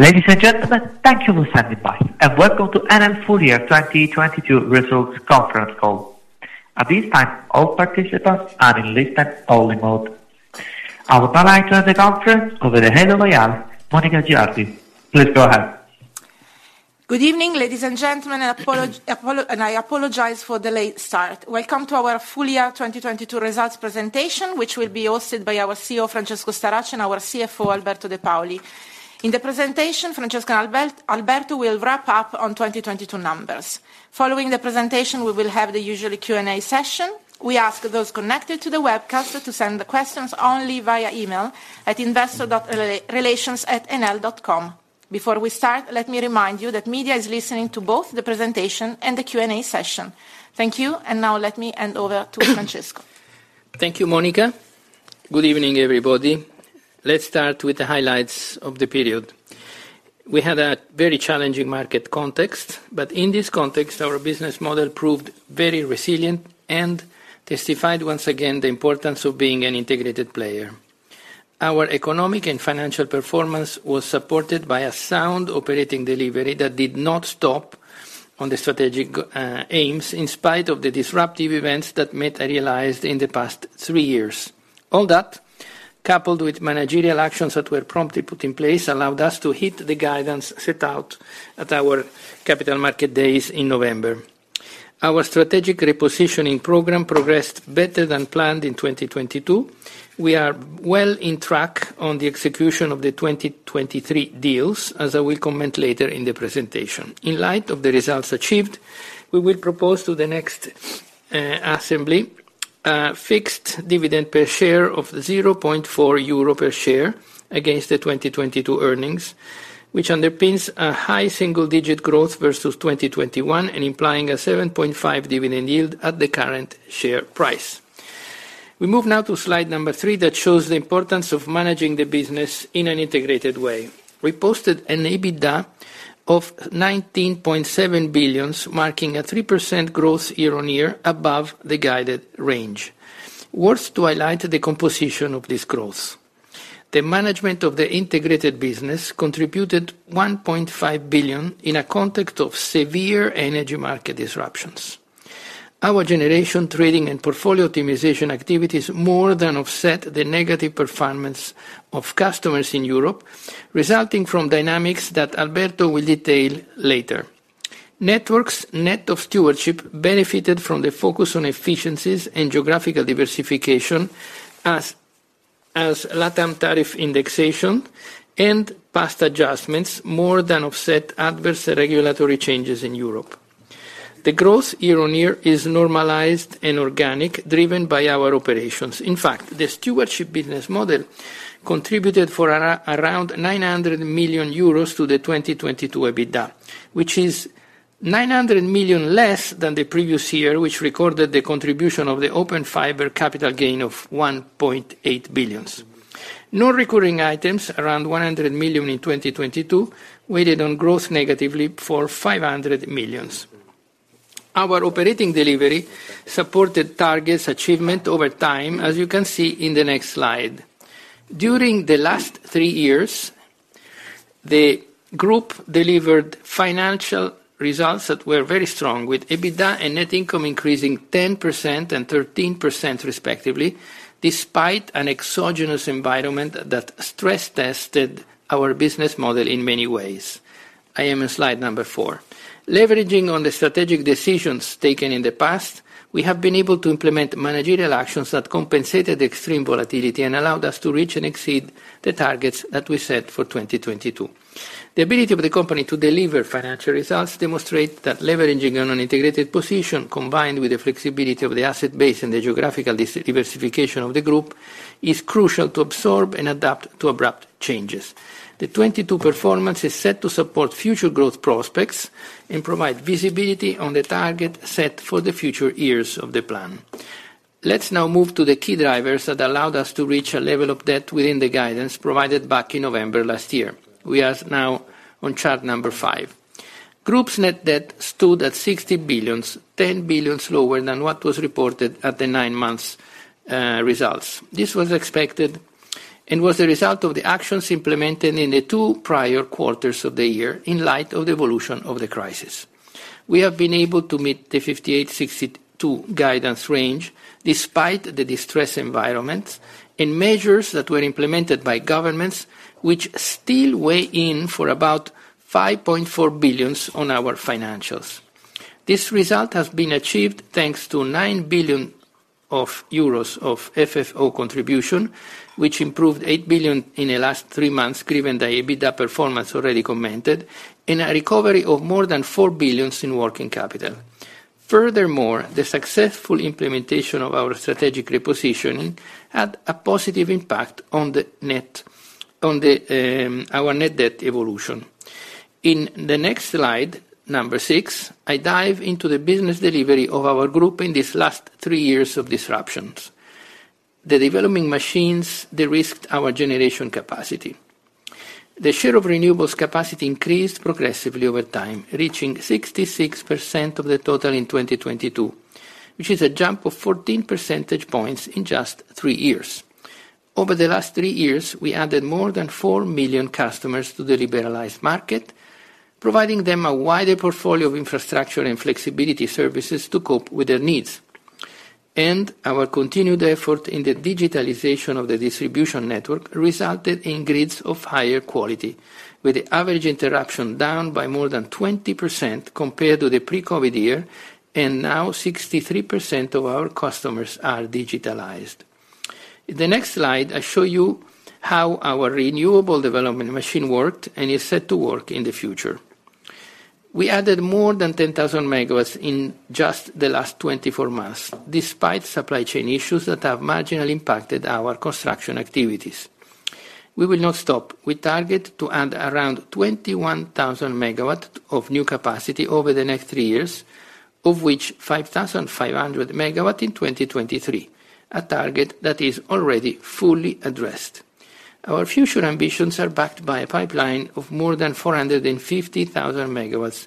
Ladies and gentlemen, thank you for standing by, and welcome to Enel Full Year 2022 Results Conference Call. At this time, all participants are in listen only mode. I would like to hand the conference over to Head of IR, Monica Girardi. Please go ahead. Good evening, ladies and gentlemen, I apologize for the late start. Welcome to our Full Year 2022 Results presentation, which will be hosted by our CEO, Francesco Starace, and our CFO, Alberto De Paoli. In the presentation, Francesco and Alberto will wrap up on 2022 numbers. Following the presentation, we will have the usual Q&A session. We ask those connected to the webcast to send the questions only via email at investor.relations@enel.com. Before we start, let me remind you that media is listening to both the presentation and the Q&A session. Thank you. Now let me hand over to Francesco. Thank you, Monica. Good evening, everybody. Let's start with the highlights of the period. In this context, our business model proved very resilient and testified once again the importance of being an integrated player. Our economic and financial performance was supported by a sound operating delivery that did not stop on the strategic aims in spite of the disruptive events that materialized in the past three years. All that, coupled with managerial actions that were promptly put in place, allowed us to hit the guidance set out at our Capital Markets Day in November. Our strategic repositioning program progressed better than planned in 2022. We are well in track on the execution of the 2023 deals, as I will comment later in the presentation. In light of the results achieved, we will propose to the next assembly a fixed dividend per share of 0.4 euro per share against the 2022 earnings, which underpins a high single digit growth versus 2021 and implying a 7.5% dividend yield at the current share price. We move now to slide three that shows the importance of managing the business in an integrated way. We posted an EBITDA of 19.7 billion, marking a 3% growth year-on-year above the guided range. Worth to highlight the composition of this growth. The management of the integrated business contributed 1.5 billion in a context of severe energy market disruptions. Our generation trading and portfolio optimization activities more than offset the negative performance of customers in Europe, resulting from dynamics that Alberto will detail later. Network's net of stewardship benefited from the focus on efficiencies and geographical diversification as LatAm tariff indexation and past adjustments more than offset adverse regulatory changes in Europe. Growth year-over-year is normalized and organic, driven by our operations. In fact, the stewardship business model contributed for around 900 million euros to the 2022 EBITDA, which is 900 million less than the previous year, which recorded the contribution of the Open Fiber capital gain of 1.8 billion. No recurring items, around 100 million in 2022, weighted on growth negatively for 500 million. Our operating delivery supported targets achievement over time, as you can see in the next slide. During the last three years, the group delivered financial results that were very strong, with EBITDA and net income increasing 10% and 13% respectively, despite an exogenous environment that stress tested our business model in many ways. I am on slide number four. Leveraging on the strategic decisions taken in the past, we have been able to implement managerial actions that compensated the extreme volatility and allowed us to reach and exceed the targets that we set for 2022. The ability of the company to deliver financial results demonstrate that leveraging on an integrated position combined with the flexibility of the asset base and the geographical diversification of the group is crucial to absorb and adapt to abrupt changes. The 2022 performance is set to support future growth prospects and provide visibility on the target set for the future years of the plan. Let's now move to the key drivers that allowed us to reach a level of debt within the guidance provided back in November last year. We are now on chart number five. Group's net debt stood at 60 billion, 10 billion lower than what was reported at the nine months results. This was expected and was the result of the actions implemented in the two prior quarters of the year in light of the evolution of the crisis. We have been able to meet the 58 billion-62 billion guidance range despite the distressed environment and measures that were implemented by governments which still weigh in for about 5.4 billion on our financials. This result has been achieved thanks to 9 billion euros of FFO contribution, which improved 8 billion in the last three months given the EBITDA performance already commented, and a recovery of more than 4 billion in working capital. The successful implementation of our strategic repositioning had a positive impact on our net debt evolution. In the next slide, number six, I dive into the business delivery of our group in these last three years of disruptions. The developing machines, they risked our generation capacity. The share of renewables capacity increased progressively over time, reaching 66% of the total in 2022, which is a jump of 14 percentage points in just three years. Over the last three years, we added more than 4 million customers to the liberalized market, providing them a wider portfolio of infrastructure and flexibility services to cope with their needs. Our continued effort in the digitalization of the distribution network resulted in grids of higher quality, with the average interruption down by more than 20% compared to the pre-COVID year, and now 63% of our customers are digitalized. In the next slide, I show you how our renewable development machine worked and is set to work in the future. We added more than 10,000 MW in just the last 24 months, despite supply chain issues that have marginally impacted our construction activities. We will not stop. We target to add around 21,000 MW of new capacity over the next three years, of which 5,500 MW in 2023, a target that is already fully addressed. Our future ambitions are backed by a pipeline of more than 450,000 MW,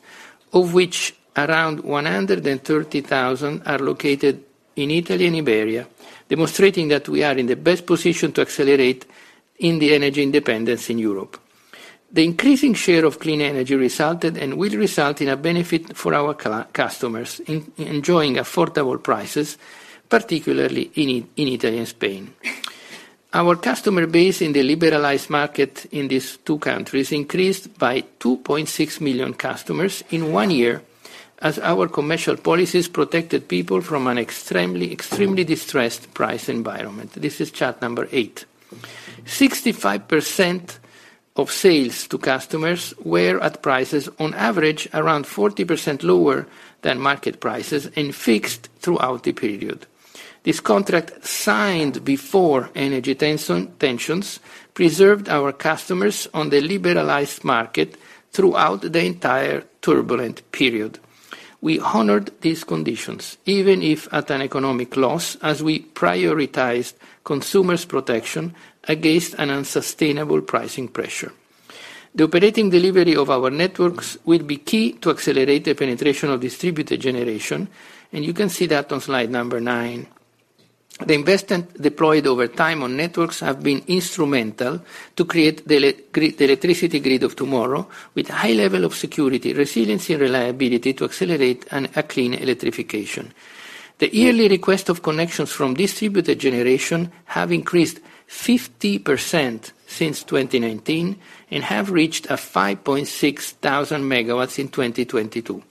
of which around 130,000 are located in Italy and Iberia, demonstrating that we are in the best position to accelerate in the energy independence in Europe. The increasing share of clean energy resulted and will result in a benefit for our customers enjoying affordable prices, particularly in Italy and Spain. Our customer base in the liberalized market in these two countries increased by 2.6 million customers in one year as our commercial policies protected people from an extremely distressed price environment. This is chart number eight. 65% of sales to customers were at prices on average around 40% lower than market prices and fixed throughout the period. This contract signed before energy tensions preserved our customers on the liberalized market throughout the entire turbulent period. We honored these conditions even if at an economic loss, as we prioritized consumers' protection against an unsustainable pricing pressure. The operating delivery of our networks will be key to accelerate the penetration of distributed generation, and you can see that on slide number nine. The investment deployed over time on networks have been instrumental to create the electricity grid of tomorrow with high level of security, resiliency, and reliability to accelerate a clean electrification. The yearly request of connections from distributed generation have increased 50% since 2019 and have reached 5,600 MW in 2022.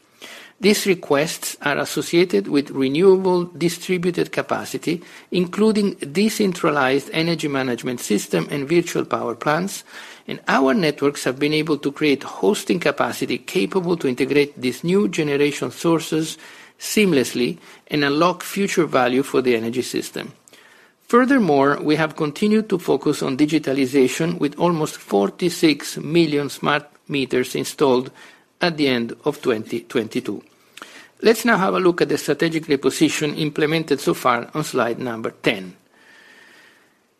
These requests are associated with renewable distributed capacity, including decentralized energy management system and virtual power plants. Our networks have been able to create hosting capacity capable to integrate these new generation sources seamlessly and unlock future value for the energy system. Furthermore, we have continued to focus on digitalization with almost 46 million smart meters installed at the end of 2022. Let's now have a look at the strategic reposition implemented so far on slide number 10.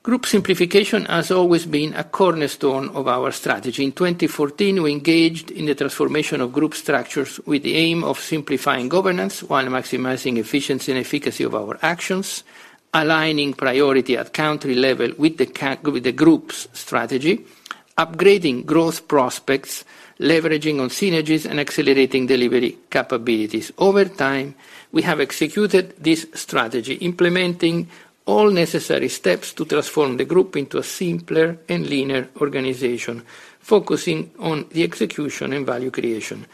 Group simplification has always been a cornerstone of our strategy. In 2014, we engaged in the transformation of group structures with the aim of simplifying governance while maximizing efficiency and efficacy of our actions, aligning priority at country level with the group's strategy, upgrading growth prospects, leveraging on synergies, and accelerating delivery capabilities. Over time, we have executed this strategy, implementing all necessary steps to transform the group into a simpler and leaner organization, focusing on the execution and value creation.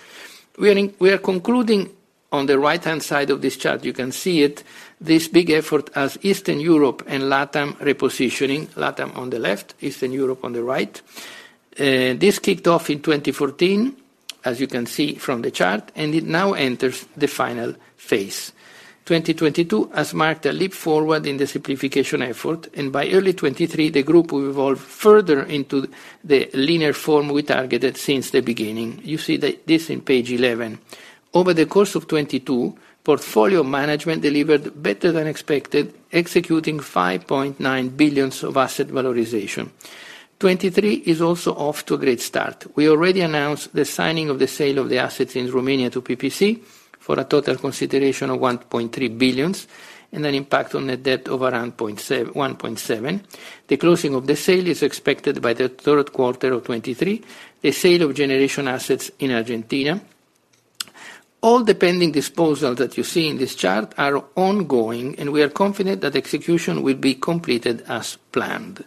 We are concluding on the right-hand side of this chart, you can see it, this big effort as Eastern Europe and LatAm repositioning. LatAm on the left, Eastern Europe on the right. This kicked off in 2014, as you can see from the chart, and it now enters the final phase. 2022 has marked a leap forward in the simplification effort, and by early 2023 the group will evolve further into the linear form we targeted since the beginning. You see this in page 11. Over the course of 2022, portfolio management delivered better than expected, executing 5.9 billion of asset valorization. 2023 is also off to a great start. We already announced the signing of the sale of the assets in Romania to PPC for a total consideration of 1.3 billion and an impact on the debt of around 1.7 billion. The closing of the sale is expected by the third quarter of 2023. The sale of generation assets in Argentina. All the pending disposal that you see in this chart are ongoing, and we are confident that execution will be completed as planned.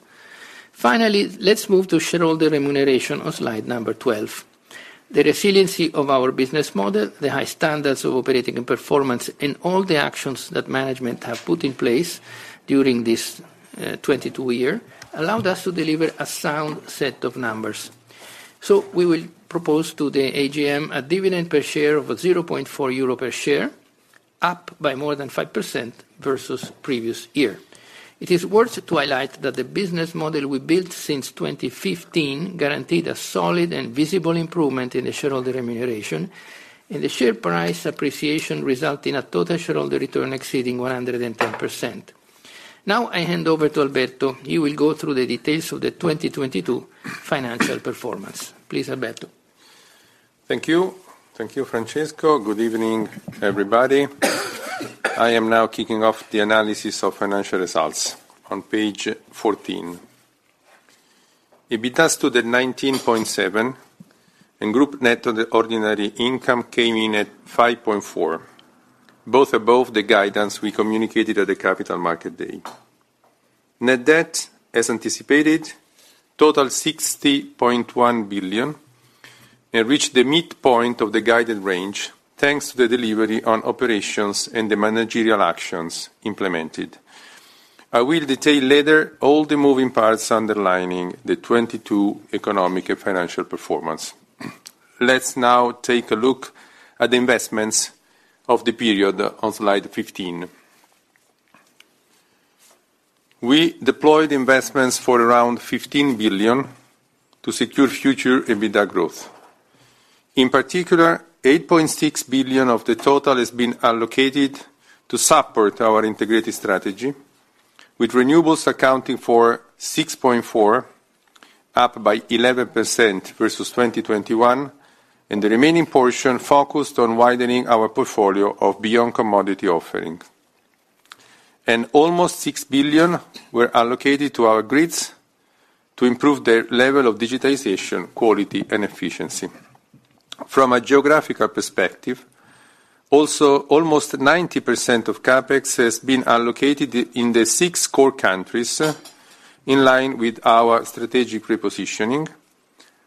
Finally, let's move to shareholder remuneration on slide number 12. The resiliency of our business model, the high standards of operating and performance, and all the actions that management have put in place during this 2022 year allowed us to deliver a sound set of numbers. We will propose to the AGM a dividend per share of 0.4 euro per share, up by more than 5% versus previous year. It is worth to highlight that the business model we built since 2015 guaranteed a solid and visible improvement in the shareholder remuneration, and the share price appreciation result in a total shareholder return exceeding 110%. I hand over to Alberto, he will go through the details of the 2022 financial performance. Please, Alberto. Thank you, Francesco. Good evening, everybody. I am now kicking off the analysis of financial results on page 14. EBITDA to 19.7, Group net on the ordinary income came in at 5.4, both above the guidance we communicated at the Capital Markets Day. Net debt, as anticipated, total 60.1 billion, Reached the midpoint of the guided range, thanks to the delivery on operations and the managerial actions implemented. I will detail later all the moving parts underlining the 2022 economic and financial performance. Let's now take a look at the investments of the period on slide 15. We deployed investments for around 15 billion to secure future EBITDA growth. In particular, 8.6 billion of the total has been allocated to support our integrated strategy, with renewables accounting for 6.4, up by 11% versus 2021. The remaining portion focused on widening our portfolio of beyond commodity offering. Almost 6 billion were allocated to our grids to improve their level of digitalization, quality, and efficiency. From a geographical perspective, also almost 90% of CapEx has been allocated in the six core countries, in line with our strategic repositioning,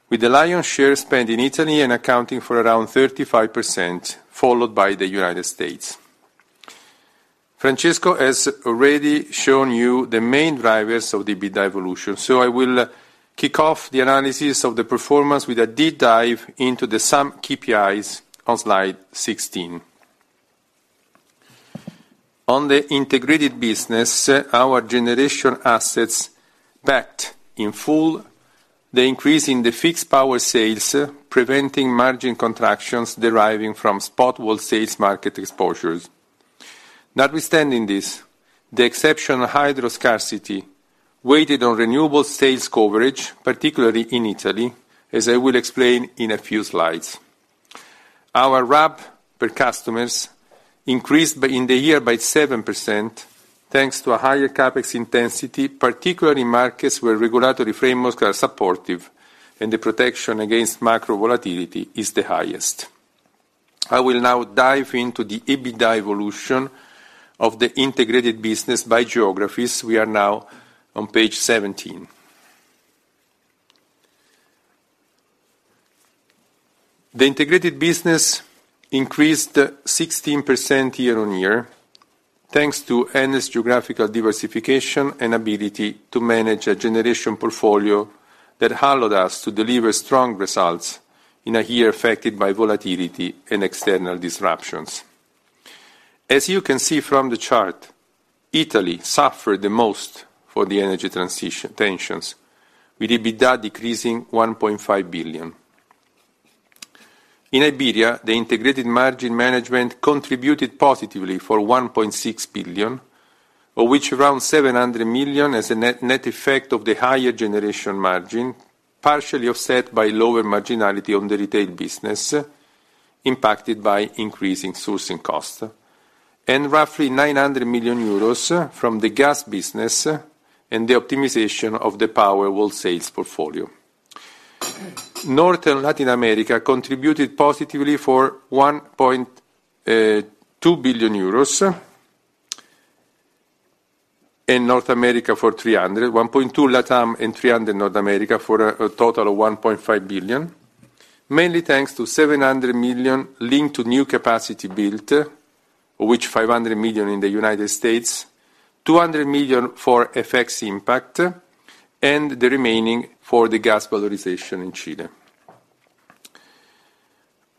with the lion's share spent in Italy accounting for around 35%, followed by the United States. Francesco has already shown you the main drivers of the EBITDA evolution. I will kick off the analysis of the performance with a deep dive into the some KPIs on slide 16. On the integrated business, our generation assets backed in full the increase in the fixed power sales, preventing margin contractions deriving from spot wholesale market exposures. Notwithstanding this, the exceptional hydro scarcity weighted on renewable sales coverage, particularly in Italy, as I will explain in a few slides. Our RAB per customers increased in the year by 7%, thanks to a higher CapEx intensity, particularly in markets where regulatory frameworks are supportive and the protection against macro volatility is the highest. I will now dive into the EBITDA evolution of the integrated business by geographies. We are now on page 17. The integrated business increased 16% year-over-year, thanks to Enel's geographical diversification and ability to manage a generation portfolio that allowed us to deliver strong results in a year affected by volatility and external disruptions. As you can see from the chart, Italy suffered the most for the energy transiti-tensions, with EBITDA decreasing 1.5 billion. In Iberia, the integrated margin management contributed positively for 1.6 billion, of which around 700 million as a net effect of the higher generation margin, partially offset by lower marginality on the retail business, impacted by increasing sourcing costs, and roughly 900 million euros from the gas business and the optimization of the power wholesale sales portfolio. North and Latin America contributed positively for 1.2 billion euros. In North America for 300. 1.2 billion LatAm and 300 million North America for a total of 1.5 billion, mainly thanks to 700 million linked to new capacity built, which 500 million in the United States, 200 million for FX impact, and the remaining for the gas valorization in Chile.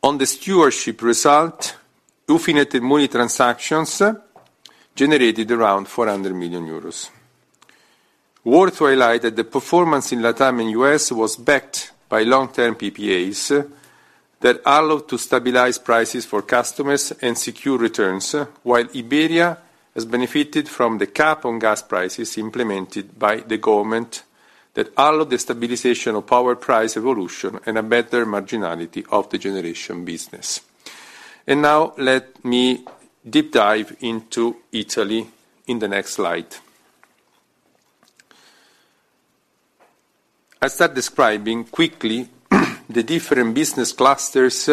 On the stewardship result, Mooney transactions generated around 400 million euros. Worth to highlight that the performance in LatAm and U.S. was backed by long-term PPAs that allowed to stabilize prices for customers and secure returns, while Iberia has benefited from the cap on gas prices implemented by the government that allowed the stabilization of power price evolution and a better marginality of the generation business. Now let me deep dive into Italy in the next slide. I start describing quickly the different business clusters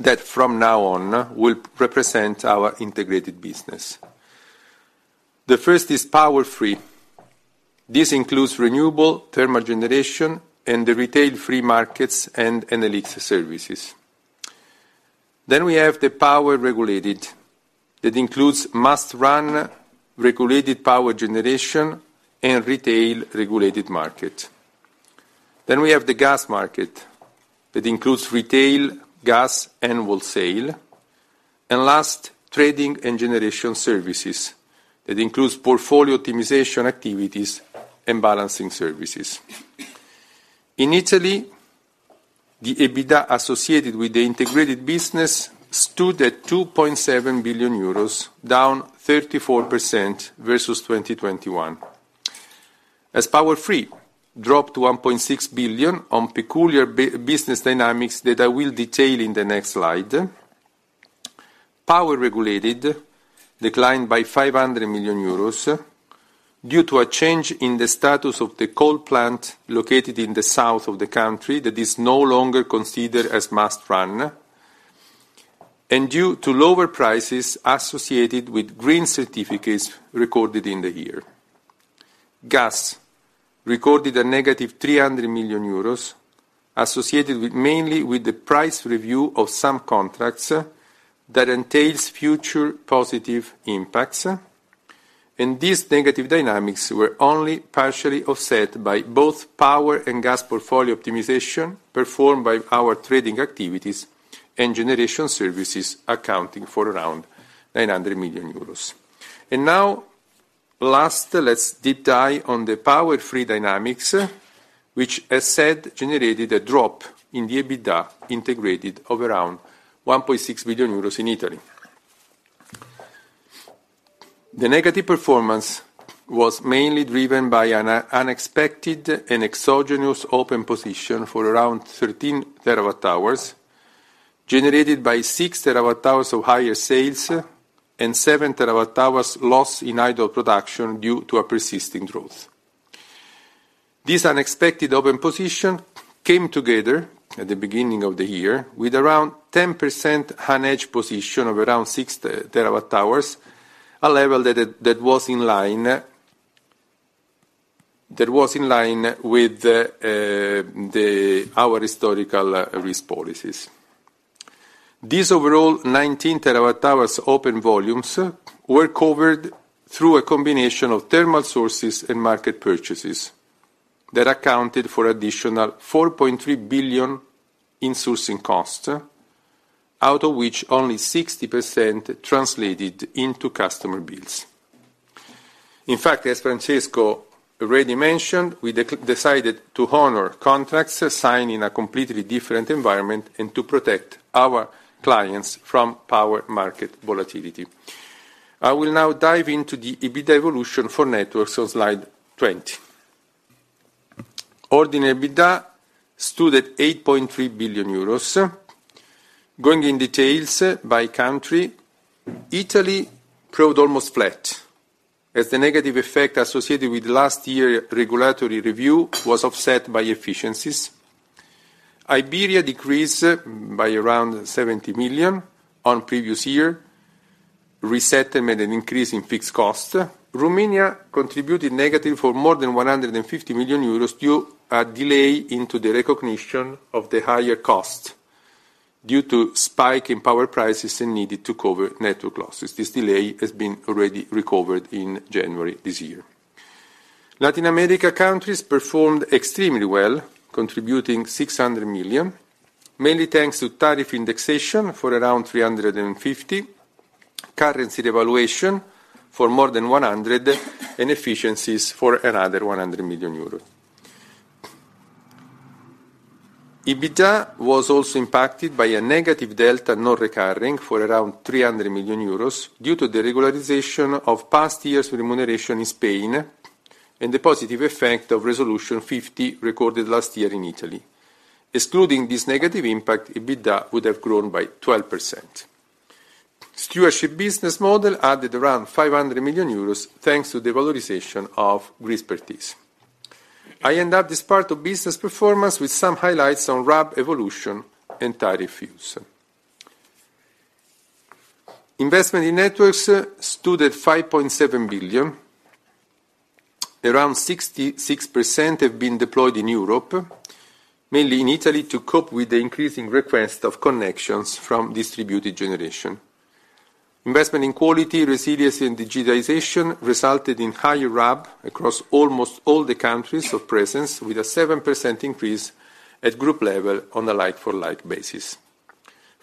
that from now on will represent our integrated business. The first is Power Free. This includes renewable, thermal generation, and the retail free markets, and analytics services. We have the Power Regulated. That includes must-run regulated power generation and retail regulated market. We have the gas market. That includes retail, gas, and wholesale. Last, trading and generation services. That includes portfolio optimization activities and balancing services. In Italy, the EBITDA associated with the integrated business stood at 2.7 billion euros, down 34% versus 2021. As Power Free dropped to 1.6 billion on peculiar business dynamics that I will detail in the next slide. Power Regulated declined by 500 million euros due to a change in the status of the coal plant located in the south of the country that is no longer considered as must-run, and due to lower prices associated with green certificates recorded in the year. Gas recorded a negative 300 million euros associated with mainly with the price review of some contracts that entails future positive impacts. These negative dynamics were only partially offset by both power and gas portfolio optimization performed by our trading activities and generation services accounting for around 900 million euros. Now last, let's deep dive on the Power Free dynamics which, as said, generated a drop in the EBITDA integrated of around 1.6 billion euros in Italy. The negative performance was mainly driven by an unexpected and exogenous open position for around 13 TWh, generated by six TWh of higher sales and seven TWh lost in idle production due to a persisting drought. This unexpected open position came together at the beginning of the year with around 10% unhedged position of around 6 TWh, a level that was in line with our historical risk policies. These overall 19 TWh open volumes were covered through a combination of thermal sources and market purchases that accounted for additional 4.3 billion in sourcing cost, out of which only 60% translated into customer bills. In fact, as Francesco already mentioned, we decided to honor contracts signed in a completely different environment and to protect our clients from power market volatility. I will now dive into the EBITDA evolution for networks on slide 20. Ordinary EBITDA stood at 8.3 billion euros. Going in details by country, Italy proved almost flat, as the negative effect associated with last year regulatory review was offset by efficiencies. Iberia decreased by around 70 million on previous year, reset amid an increase in fixed costs. Romania contributed negative for more than 150 million euros due a delay into the recognition of the higher cost due to spike in power prices and needed to cover network losses. This delay has been already recovered in January this year. Latin America countries performed extremely well, contributing 600 million, mainly thanks to tariff indexation for around 350 million, currency devaluation for more than 100 million, and efficiencies for another 100 million euros. EBITDA was also impacted by a negative delta non-recurring for around 300 million euros due to the regularization of past years' remuneration in Spain and the positive effect of Resolution 50 recorded last year in Italy. Excluding this negative impact, EBITDA would have grown by 12%. Stewardship business model added around 500 million euros, thanks to the valorization of expertise. I end up this part of business performance with some highlights on RAB evolution and tariff use. Investment in networks stood at 5.7 billion. Around 66% have been deployed in Europe, mainly in Italy, to cope with the increasing request of connections from distributed generation. Investment in quality, resilience, and digitalization resulted in higher RAB across almost all the countries of presence, with a 7% increase at group level on a like for like basis.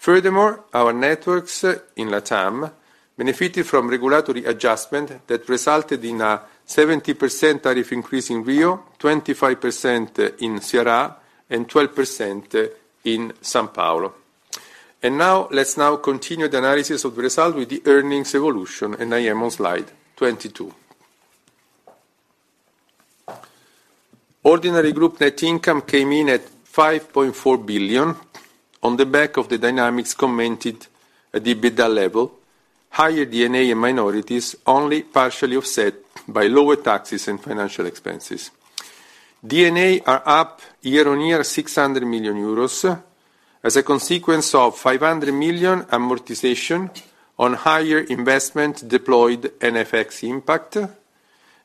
Our networks in LatAm benefited from regulatory adjustment that resulted in a 70% tariff increase in Rio, 25% in Ceará, and 12% in São Paulo. Let's continue the analysis of result with the earnings evolution, I am on slide 22. Ordinary group net income came in at 5.4 billion on the back of the dynamics commented at EBITDA level, higher D&A in minorities only partially offset by lower taxes and financial expenses. D&A are up year-on-year 600 million euros as a consequence of 500 million amortization on higher investment deployed and FX impact,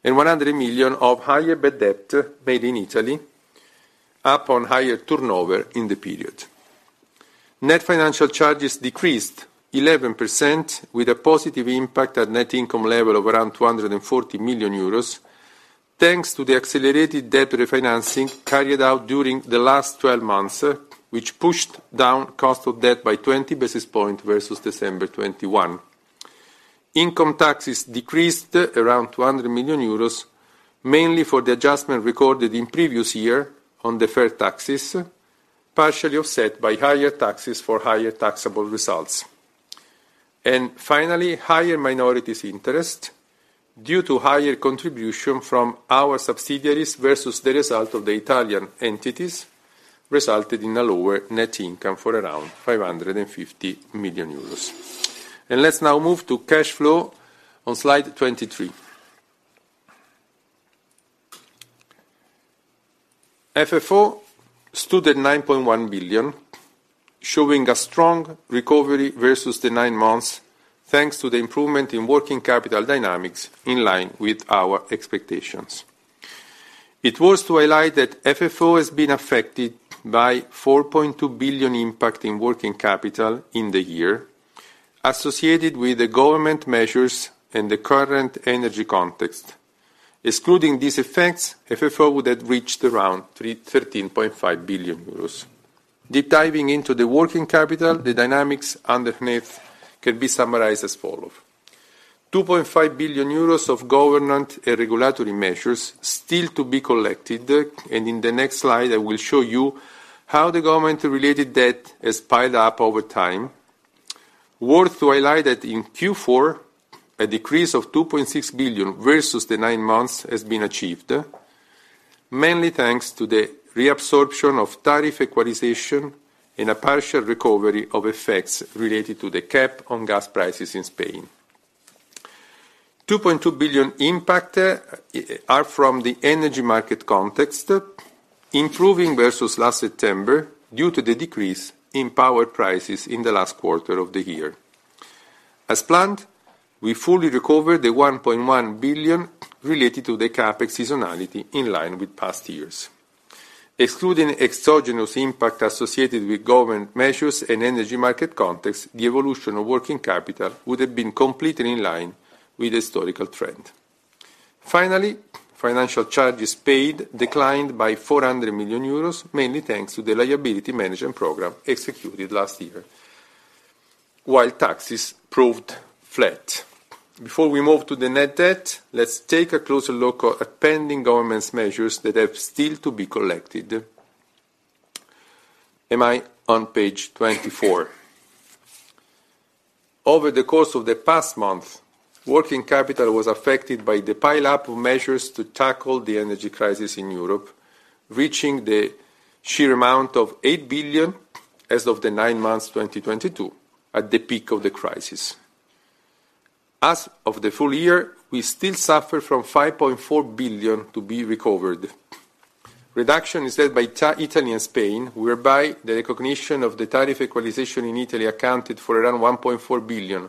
and 100 million of higher bad debt made in Italy up on higher turnover in the period. Net financial charges decreased 11% with a positive impact at net income level of around 240 million euros, thanks to the accelerated debt refinancing carried out during the last 12 months, which pushed down cost of debt by 20 basis point versus December 2021. Income taxes decreased around 200 million euros, mainly for the adjustment recorded in previous year on deferred taxes, partially offset by higher taxes for higher taxable results. Finally, higher minorities interest due to higher contribution from our subsidiaries versus the result of the Italian entities, resulted in a lower net income for around 550 million euros. Let's now move to cash flow on slide 23. FFO stood at 9.1 billion, showing a strong recovery versus the nine months, thanks to the improvement in working capital dynamics in line with our expectations. It was to highlight that FFO has been affected by 4.2 billion impact in working capital in the year, associated with the government measures in the current energy context. Excluding these effects, FFO would have reached around 13.5 billion euros. Deep diving into the working capital, the dynamics underneath can be summarized as follows. 2.5 billion euros of government and regulatory measures still to be collected. In the next slide, I will show you how the government related debt has piled up over time. Worth to highlight that in Q4, a decrease of 2.6 billion versus the nine months has been achieved, mainly thanks to the reabsorption of tariff equalization and a partial recovery of effects related to the cap on gas prices in Spain. 2.2 billion impact are from the energy market context, improving versus last September due to the decrease in power prices in the last quarter of the year. As planned, we fully recovered the 1.1 billion related to the CapEx seasonality in line with past years. Excluding exogenous impact associated with government measures and energy market context, the evolution of working capital would have been completely in line with the historical trend. Finally, financial charges paid declined by 400 million euros, mainly thanks to the liability management program executed last year, while taxes proved flat. Before we move to the net debt, let's take a closer look at pending government's measures that have still to be collected. Am I on page 24? Over the course of the past month, working capital was affected by the pile up of measures to tackle the energy crisis in Europe, reaching the sheer amount of 8 billion as of the nine months 2022, at the peak of the crisis. As of the full year, we still suffer from 5.4 billion to be recovered. Reduction is led by Italy and Spain, whereby the recognition of the tariff equalization in Italy accounted for around 1.4 billion,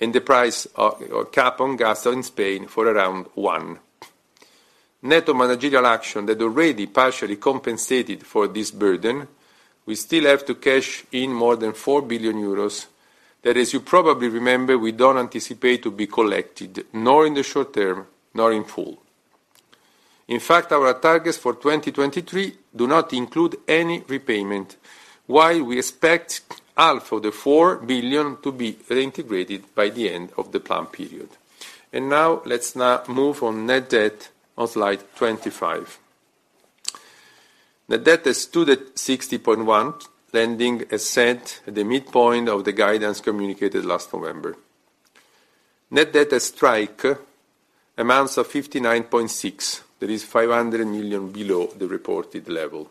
and the price of cap on gas in Spain for around 1 billion. Net of managerial action that already partially compensated for this burden, we still have to cash in more than 4 billion euros, that as you probably remember, we don't anticipate to be collected, nor in the short term, nor in full. In fact, our targets for 2023 do not include any repayment, while we expect half of the 4 billion to be reintegrated by the end of the plan period. let's now move on net debt on slide 25. Net debt has stood at 60.1, lending a cent at the midpoint of the guidance communicated last November. Net debt strike amounts of 59.6. That is 500 million below the reported level.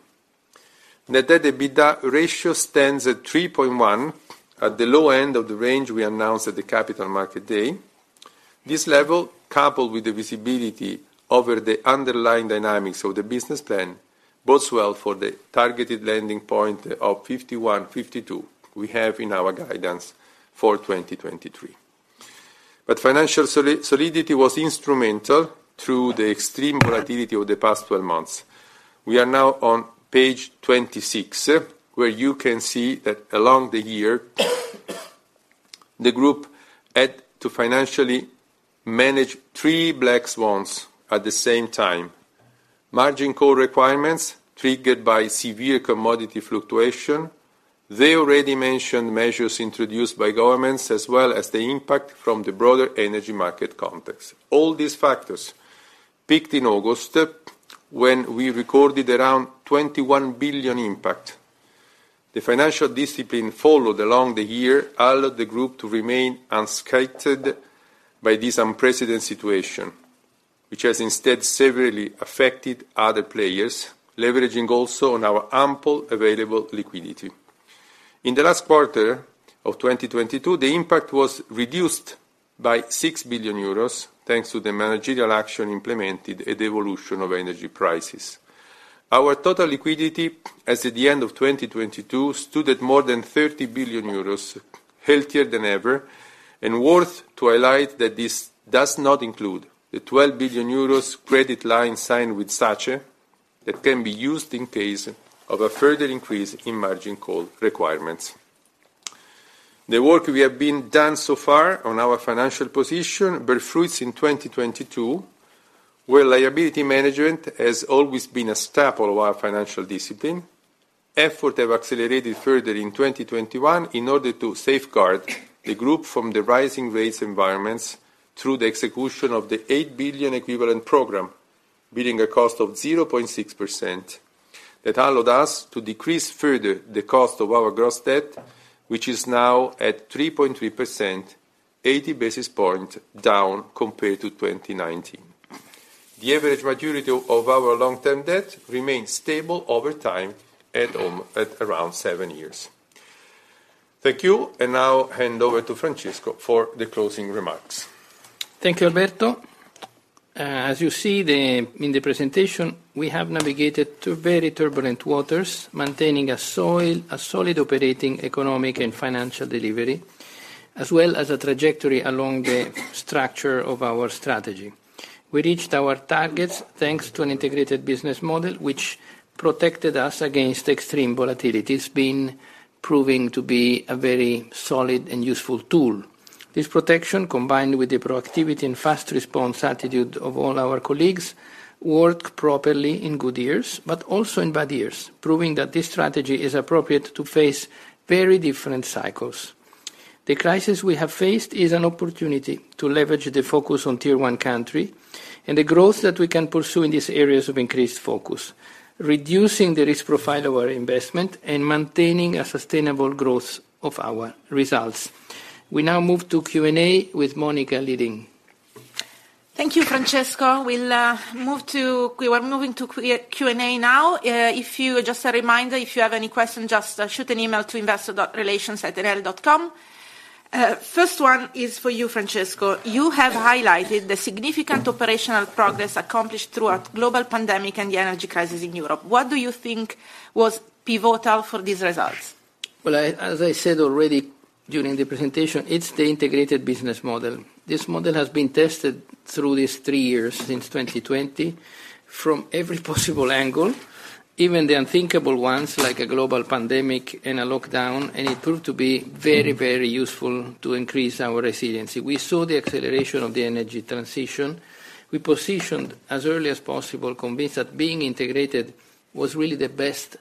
Net debt to EBITDA ratio stands at 3.1, at the low end of the range we announced at the Capital Markets Day. This level, coupled with the visibility over the underlying dynamics of the business plan, bodes well for the targeted landing point of 51 billion-52 billion we have in our guidance for 2023. Financial solidity was instrumental through the extreme volatility of the past 12 months. We are now on page 26, where you can see that along the year, the group had to financially manage three black swans at the same time. Margin call requirements triggered by severe commodity fluctuation. The already mentioned measures introduced by governments, as well as the impact from the broader energy market context. All these factors peaked in August when we recorded around 21 billion impact. The financial discipline followed along the year allowed the group to remain unscathed by this unprecedented situation, which has instead severely affected other players, leveraging also on our ample available liquidity. In the last quarter of 2022, the impact was reduced by 6 billion euros, thanks to the managerial action implemented at evolution of energy prices. Our total liquidity as at the end of 2022, stood at more than 30 billion euros, healthier than ever and worth to highlight that this does not include the 12 billion euros credit line signed with SACE that can be used in case of a further increase in margin call requirements. The work we have been done so far on our financial position bear fruits in 2022, where liability management has always been a staple of our financial discipline. Effort have accelerated further in 2021 in order to safeguard the group from the rising rates environments through the execution of the 8 billion equivalent program, bearing a cost of 0.6%. That allowed us to decrease further the cost of our gross debt, which is now at 3.3%, 80 basis points down compared to 2019. The average maturity of our long-term debt remains stable over time at around seven years. Thank you. Now hand over to Francesco for the closing remarks. Thank you, Alberto. As you see in the presentation, we have navigated through very turbulent waters, maintaining a solid operating economic and financial delivery, as well as a trajectory along the structure of our strategy. We reached our targets, thanks to an integrated business model which protected us against extreme volatility. It's been proving to be a very solid and useful tool. This protection, combined with the proactivity and fast response attitude of all our colleagues, work properly in good years, but also in bad years, proving that this strategy is appropriate to face very different cycles. The crisis we have faced is an opportunity to leverage the focus on tier one country and the growth that we can pursue in these areas of increased focus, reducing the risk profile of our investment and maintaining a sustainable growth of our results. We now move to Q&A with Monica leading. Thank you, Francesco. We are moving to Q&A now. Just a reminder, if you have any questions, just shoot an email to investor.relations@enel.com. First one is for you, Francesco. You have highlighted the significant operational progress accomplished throughout global pandemic and the energy crisis in Europe. What do you think was pivotal for these results? Well, as I said already during the presentation, it's the integrated business model. This model has been tested through these three years, since 2020, from every possible angle, even the unthinkable ones, like a global pandemic and a lockdown, and it proved to be very useful to increase our resiliency. We saw the acceleration of the energy transition. We positioned as early as possible, convinced that being integrated was really the best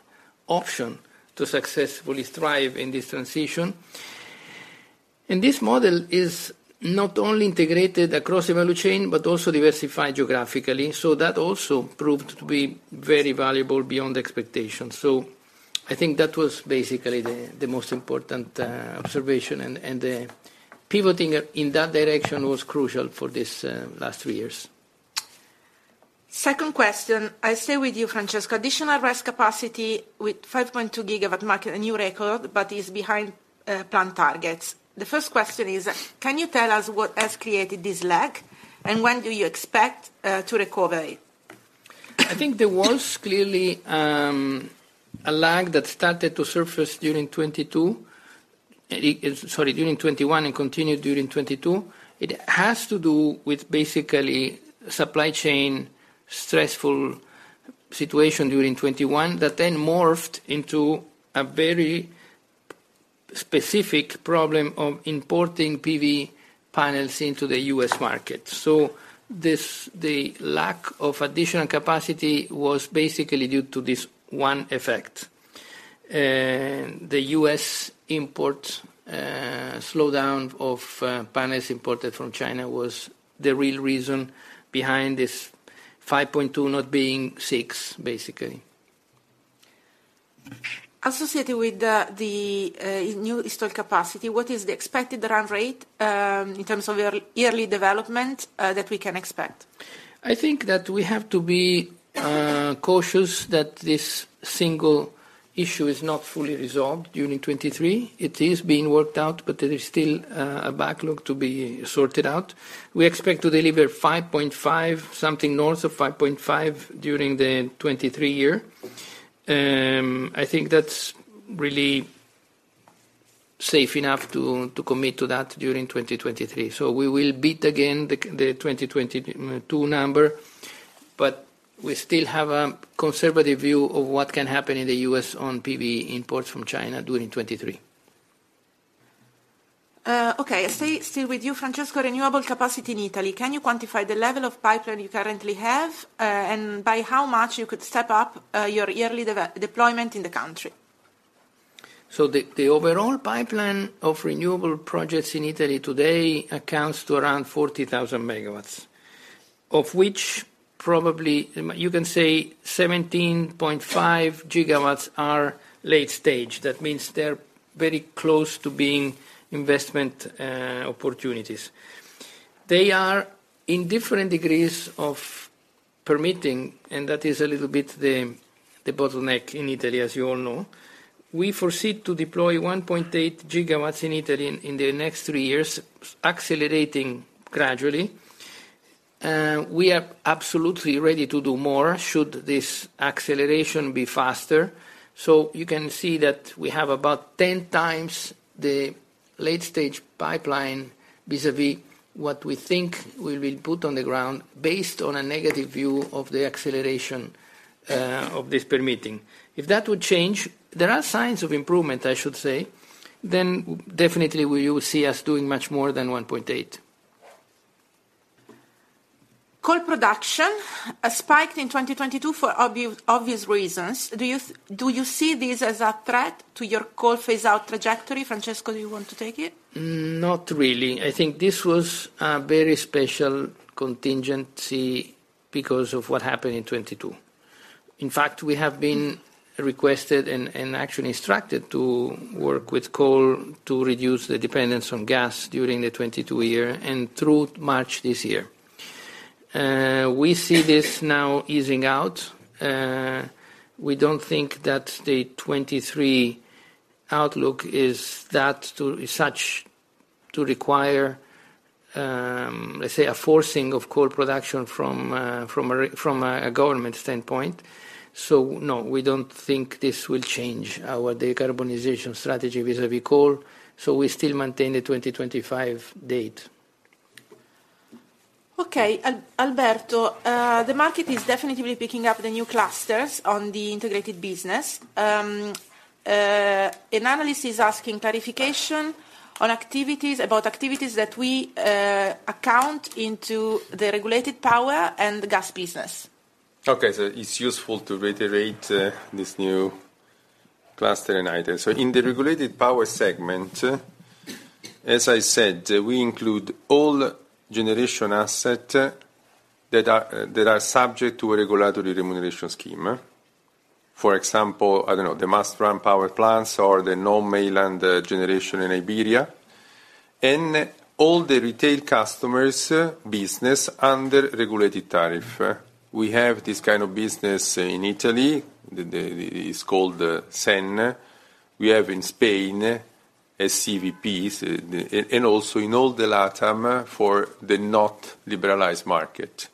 option to successfully thrive in this transition. This model is not only integrated across the value chain, but also diversified geographically. That also proved to be very valuable beyond expectation. I think that was basically the most important observation, and pivoting in that direction was crucial for this last three years. Second question, I stay with you, Francesco. Additional RES capacity with 5.2 GW mark a new record, but is behind planned targets. The first question is, can you tell us what has created this lag, and when do you expect to recover it? I think there was clearly a lag that started to surface during 2022. Sorry, during 2021 and continued during 2022. It has to do with basically supply chain stressful situation during 2021 that then morphed into a very specific problem of importing PV panels into the US market. This, the lack of additional capacity was basically due to this one effect. The US import slowdown of panels imported from China was the real reason behind this 5.2 not being six, basically. Associated with the new installed capacity, what is the expected run rate, in terms of yearly development, that we can expect? I think that we have to be cautious that this single issue is not fully resolved during 2023. It is being worked out, but there is still a backlog to be sorted out. We expect to deliver 5.5, something north of 5.5 during the 2023 year. I think that's really safe enough to commit to that during 2023. We will beat again the 2022 number, but we still have a conservative view of what can happen in the U.S. on PV imports from China during 2023. Okay. Stay still with you, Francesco. Renewable capacity in Italy, can you quantify the level of pipeline you currently have, and by how much you could step up, your yearly deployment in the country? The overall pipeline of renewable projects in Italy today accounts to around 40,000 MW, of which probably, you can say 17.5 GW are late stage. That means they're very close to being investment opportunities. They are in different degrees of permitting, and that is a little bit the bottleneck in Italy, as you all know. We foresee to deploy 1.8 GW in Italy in the next three years, accelerating gradually. We are absolutely ready to do more should this acceleration be faster. You can see that we have about 10x the late-stage pipeline vis-à-vis what we think we will put on the ground based on a negative view of the acceleration of this permitting. If that would change, there are signs of improvement, I should say, then definitely will you see us doing much more than 1.8. Coal production has spiked in 2022 for obvious reasons. Do you see this as a threat to your coal phase out trajectory? Francesco, do you want to take it? Not really. I think this was a very special contingency because of what happened in 2022. In fact, we have been requested and actually instructed to work with coal to reduce the dependence on gas during the 2022 year and through March this year. We see this now easing out. We don't think that the 2023 outlook is that to such to require, let's say, a forcing of coal production from a government standpoint. No, we don't think this will change our decarbonization strategy vis-a-vis coal, so we still maintain the 2025 date. Okay. Alberto, the market is definitely picking up the new clusters on the integrated business. An analyst is asking clarification about activities that we account into the regulated power and the gas business. Okay, it's useful to reiterate this new cluster and item. In the regulated power segment, as I said, we include all generation assets that are subject to a regulatory remuneration scheme. For example, I don't know, the must-run power plants or the non-peninsular generation in Iberia, and all the retail customers business under regulated tariff. We have this kind of business in Italy. It's called the SEN. We have in Spain, SCVPs, and also in all the LatAm for the not liberalized market.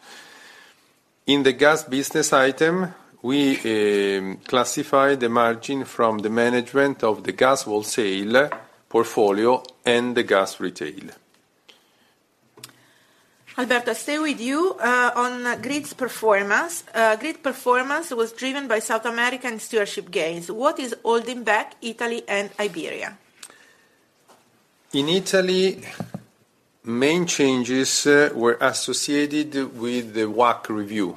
In the gas business item, we classify the margin from the management of the gas wholesale portfolio and the gas retail. Alberto, stay with you on grids performance. Grid performance was driven by South American stewardship gains. What is holding back Italy and Iberia? In Italy, main changes were associated with the WACC review.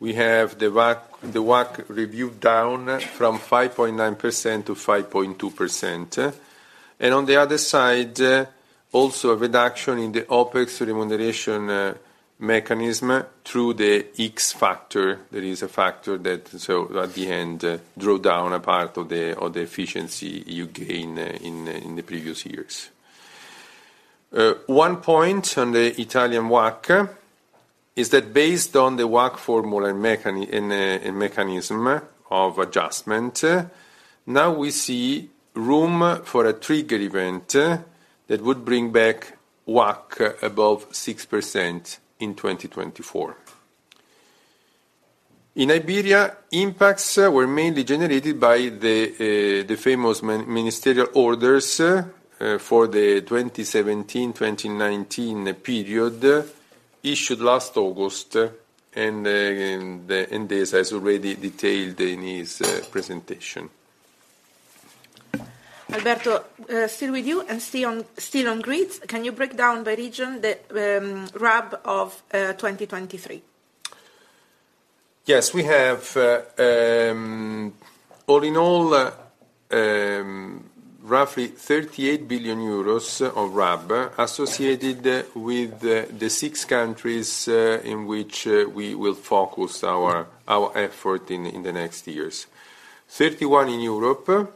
We have the WACC review down from 5.9% to 5.2%. On the other side, also a reduction in the OpEx remuneration mechanism through the X-factor. That is a factor that drew down a part of the efficiency you gain in the previous years. One point on the Italian WACC is that based on the WACC formula and mechanism of adjustment, now we see room for a trigger event that would bring back WACC above 6% in 2024. In Iberia, impacts were mainly generated by the famous ministerial orders, for the 2017-2019 period, issued last August, and this has already detailed in his presentation. Alberto, still with you and still on grids. Can you break down by region the RAB of 2023? Yes. We have, all in all, roughly 38 billion euros of RAB associated with the six countries, in which, we will focus our effort in the next years. 31 in Europe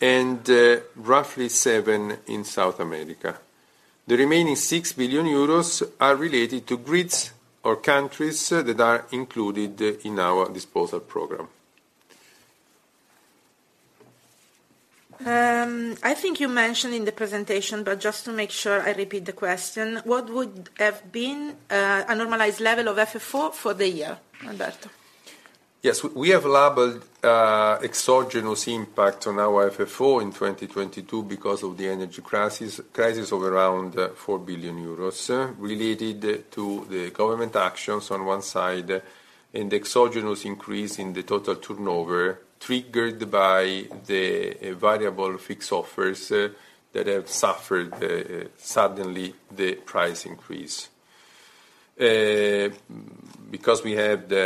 and, roughly seven in South America. The remaining 6 billion euros are related to grids or countries that are included in our disposal program. I think you mentioned in the presentation, but just to make sure I repeat the question, what would have been a normalized level of FFO for the year, Alberto? Yes. We have labeled exogenous impact on our FFO in 2022 because of the energy crisis of around 4 billion euros related to the government actions on one side, and exogenous increase in the total turnover, triggered by the variable fixed offers that have suffered suddenly the price increase. Because we have the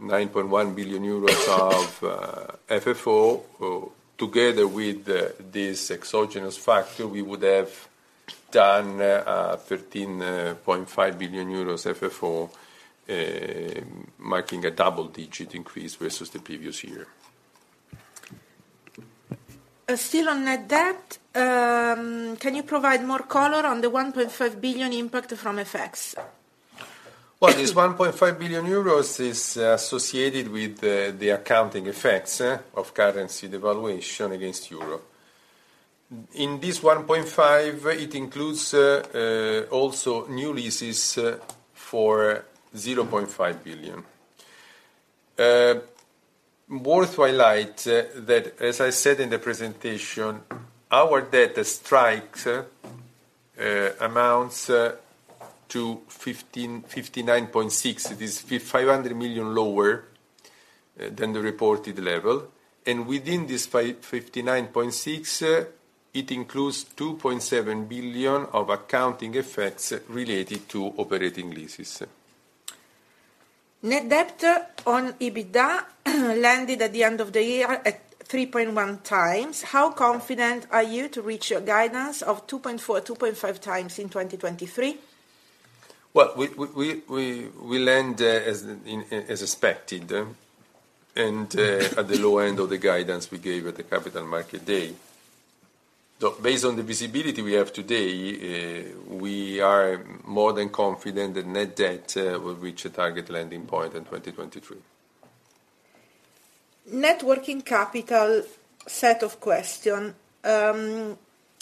9.1 billion euros of FFO together with this exogenous factor, we would have done 13.5 billion euros FFO marking a double-digit increase versus the previous year. Still on net debt. Can you provide more color on the 1.5 billion impact from FX? Well, this 1.5 billion euros is associated with the accounting effects of currency devaluation against EUR. In this 1.5, it includes also new leases for 0.5 billion. Worth highlight that, as I said in the presentation, our debt strikes amounts to 59.6 billion. It is 500 million lower than the reported level. Within this 59.6 billion, it includes 2.7 billion of accounting effects related to operating leases. Net debt on EBITDA landed at the end of the year at 3.1x. How confident are you to reach your guidance of 2.4x-2.5x in 2023? Well, we land as expected, and at the low end of the guidance we gave at the Capital Markets Day. Based on the visibility we have today, we are more than confident the net debt will reach a target landing point in 2023. Networking capital set of question.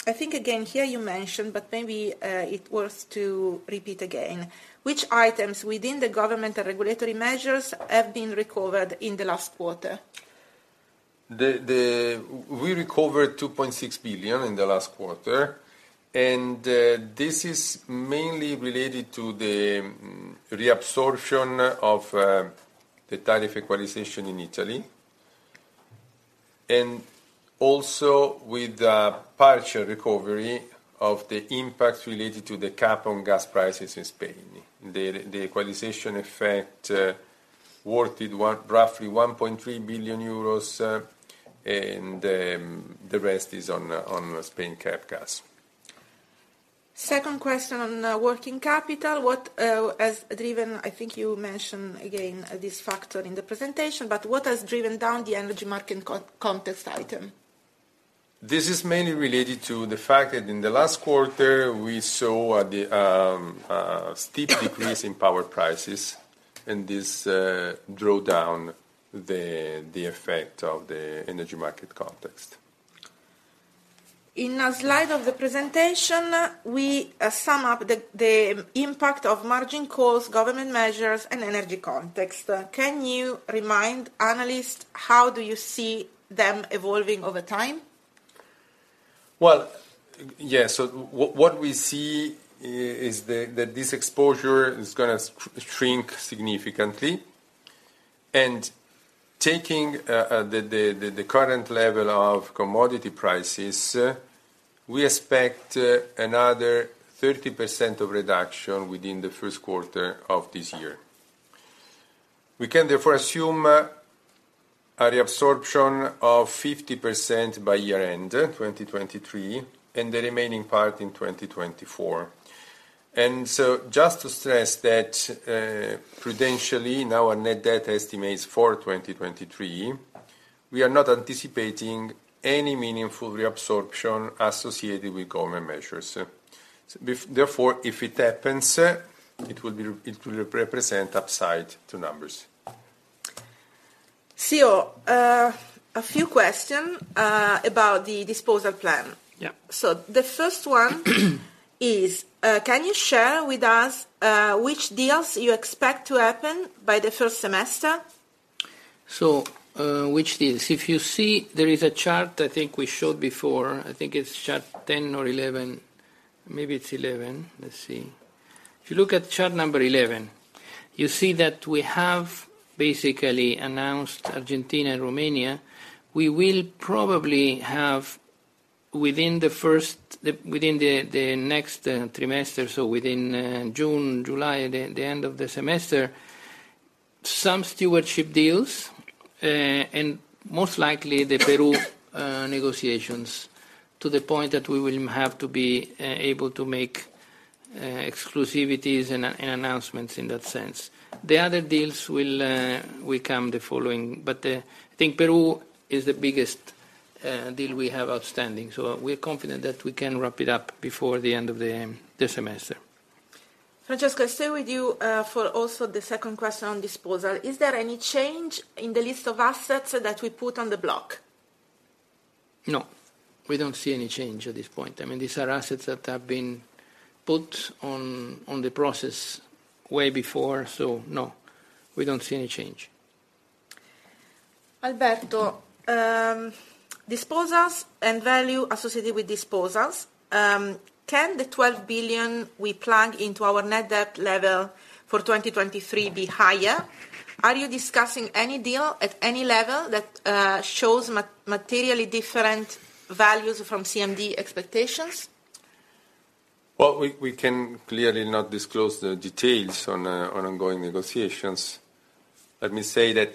I think again, here you mentioned, but maybe it worth to repeat again. Which items within the government and regulatory measures have been recovered in the last quarter? We recovered 2.6 billion in the last quarter, and this is mainly related to the reabsorption of the tariff equalization in Italy. Also with the partial recovery of the impact related to the cap on gas prices in Spain. The equalization effect worth roughly 1.3 billion euros, and the rest is on Spain cap gas. Second question on working capital. What I think you mentioned again this factor in the presentation, but what has driven down the energy market context item? This is mainly related to the fact that in the last quarter we saw the steep decrease in power prices, and this draw down the effect of the energy market context. In a slide of the presentation, we sum up the impact of margin costs, government measures and energy context. Can you remind analysts how do you see them evolving over time? Well, yes. What we see is the, that this exposure is gonna shrink significantly. Taking the current level of commodity prices, we expect another 30% of reduction within the first quarter of this year. We can therefore assume a reabsorption of 50% by year-end 2023, and the remaining part in 2024. Just to stress that prudentially in our net debt estimates for 2023, we are not anticipating any meaningful reabsorption associated with government measures. Therefore, if it happens, it will represent upside to numbers. CEO, a few question, about the disposal plan. Yeah. The first one is, can you share with us, which deals you expect to happen by the first semester? Which deals? If you see, there is a chart I think we showed before, I think it's chart 10 or 11, maybe it's 11. Let's see. If you look at chart number 11, you see that we have basically announced Argentina and Romania. We will probably have, within the next trimester, so within June, July, the end of the semester, some stewardship deals, and most likely the Peru negotiations, to the point that we will have to be able to make exclusivities and announcements in that sense. The other deals will come the following. I think Peru is the biggest deal we have outstanding. We're confident that we can wrap it up before the end of the semester. Francesco, stay with you, for also the second question on disposal. Is there any change in the list of assets that we put on the block? No. We don't see any change at this point. I mean, these are assets that have been put on the process way before. No, we don't see any change. Alberto, disposals and value associated with disposals, can the 12 billion we plug into our net debt level for 2023 be higher? Are you discussing any deal at any level that shows materially different values from CMD expectations? Well, we can clearly not disclose the details on ongoing negotiations. Let me say that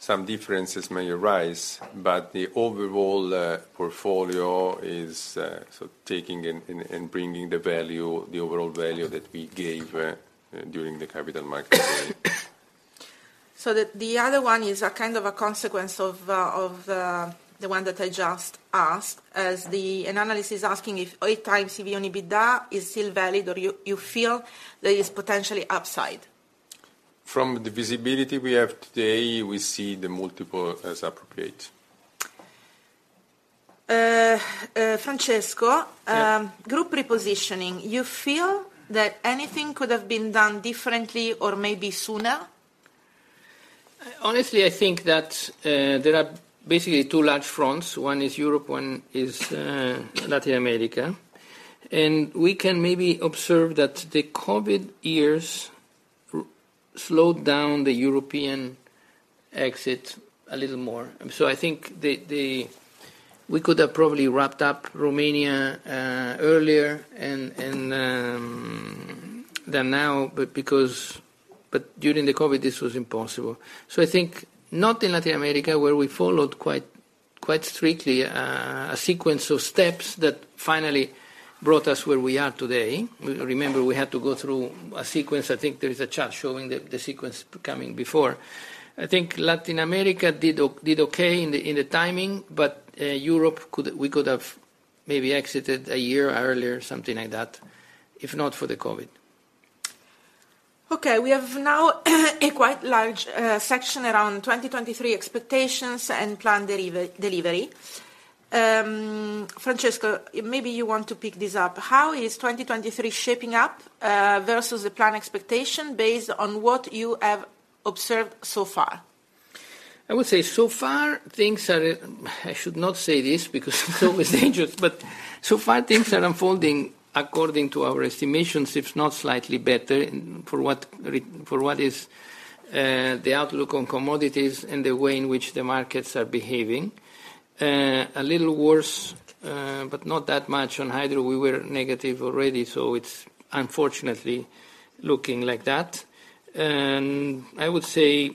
some differences may arise, but the overall portfolio is so taking and bringing the value, the overall value that we gave during the Capital Markets Day. The other one is a kind of a consequence of the one that I just asked. An analyst is asking if 8x EBITDA is still valid or you feel there is potentially upside? From the visibility we have today, we see the multiple as appropriate. Francesco. Group repositioning. You feel that anything could have been done differently or maybe sooner? Honestly, I think that there are basically two large fronts. One is Europe, one is Latin America. We can maybe observe that the COVID years slowed down the European exit a little more. I think we could have probably wrapped up Romania earlier than now, but during the COVID, this was impossible. I think not in Latin America, where we followed quite strictly a sequence of steps that finally brought us where we are today. Remember, we had to go through a sequence. I think there is a chart showing the sequence coming before. I think Latin America did okay in the timing, but Europe we could have maybe exited a year earlier, something like that, if not for the COVID. Okay. We have now a quite large section around 2023 expectations and plan delivery. Francesco, maybe you want to pick this up. How is 2023 shaping up versus the plan expectation based on what you have observed so far? I would say so far things are. I should not say this because it's always dangerous, but so far things are unfolding according to our estimations, if not slightly better for what for what is the outlook on commodities and the way in which the markets are behaving. A little worse, but not that much on hydro. We were negative already, so it's unfortunately looking like that. I would say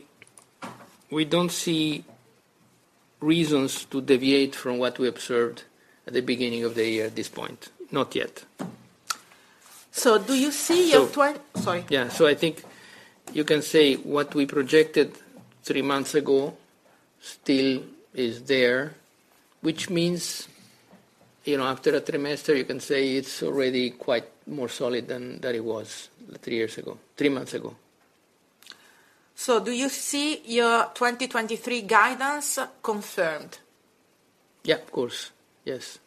we don't see reasons to deviate from what we observed at the beginning of the year at this point. Not yet. Do you see your. Sorry. Yeah. I think you can say what we projected three months ago still is there, which means, you know, after a trimester, you can say it's already quite more solid than it was three years ago, three months ago. Do you see your 2023 guidance confirmed? Yeah, of course. Yes.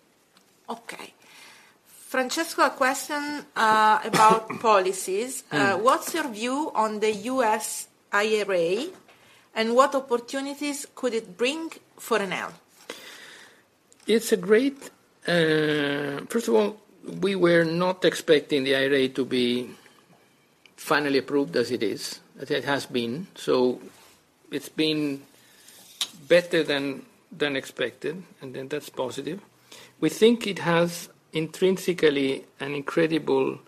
Okay. Francesco, a question, about policies. What's your view on the U.S. IRA, and what opportunities could it bring for Enel? It's a great. First of all, we were not expecting the IRA to be finally approved as it is, as it has been. It's been better than expected, that's positive. We think it has intrinsically an incredible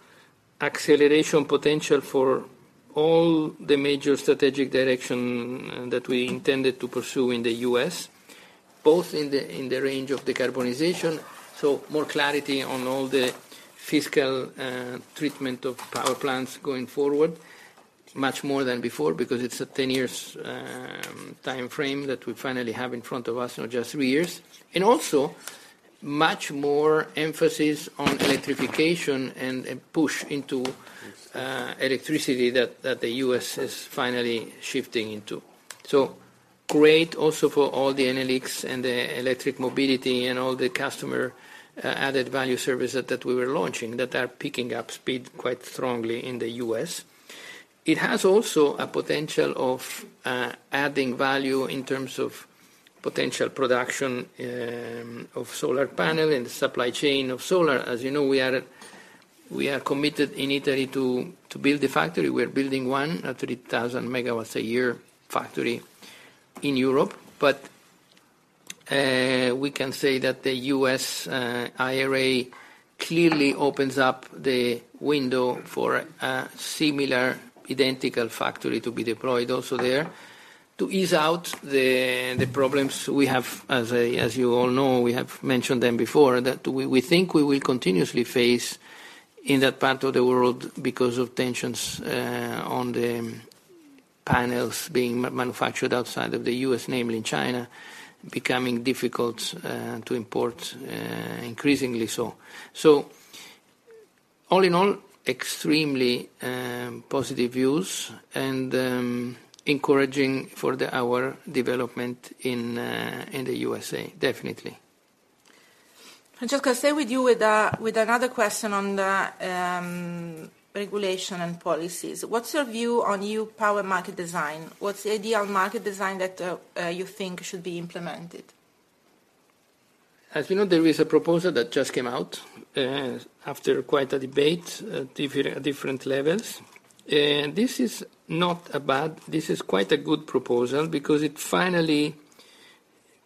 acceleration potential for all the major strategic direction that we intended to pursue in the U.S., both in the range of decarbonization, more clarity on all the fiscal treatment of power plants going forward, much more than before because it's a 10 years timeframe that we finally have in front of us, not just three years. Also much more emphasis on electrification and a push into electricity that the U.S. is finally shifting into. Great also for all the Enel X and the electric mobility and all the customer added value services that we were launching that are picking up speed quite strongly in the U.S. It has also a potential of adding value in terms of potential production of solar panel and the supply chain of solar. As you know, we are committed in Italy to build a factory. We are building one, a 3,000 MW a year factory in Europe. We can say that the U.S., IRA clearly opens up the window for a similar identical factory to be deployed also there to ease out the problems we have, as you all know, we have mentioned them before, that we think we will continuously face in that part of the world because of tensions on the panels being manufactured outside of the U.S., namely in China, becoming difficult to import increasingly so. All in all, extremely positive views and encouraging for the our development in the USA, definitely. Francesco, I stay with you with another question on the regulation and policies. What's your view on new power market design? What's the ideal market design that you think should be implemented? As you know, there is a proposal that just came out after quite a debate at different levels. This is quite a good proposal because it finally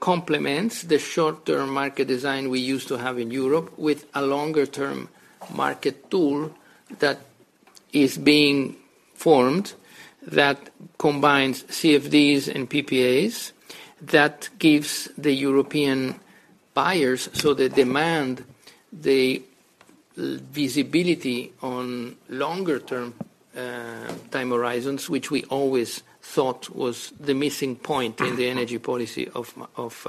complements the short-term market design we used to have in Europe with a longer-term market tool that is being formed that combines CfDs and PPAs, that gives the European buyers, so the demand, the visibility on longer-term time horizons, which we always thought was the missing point in the energy policy of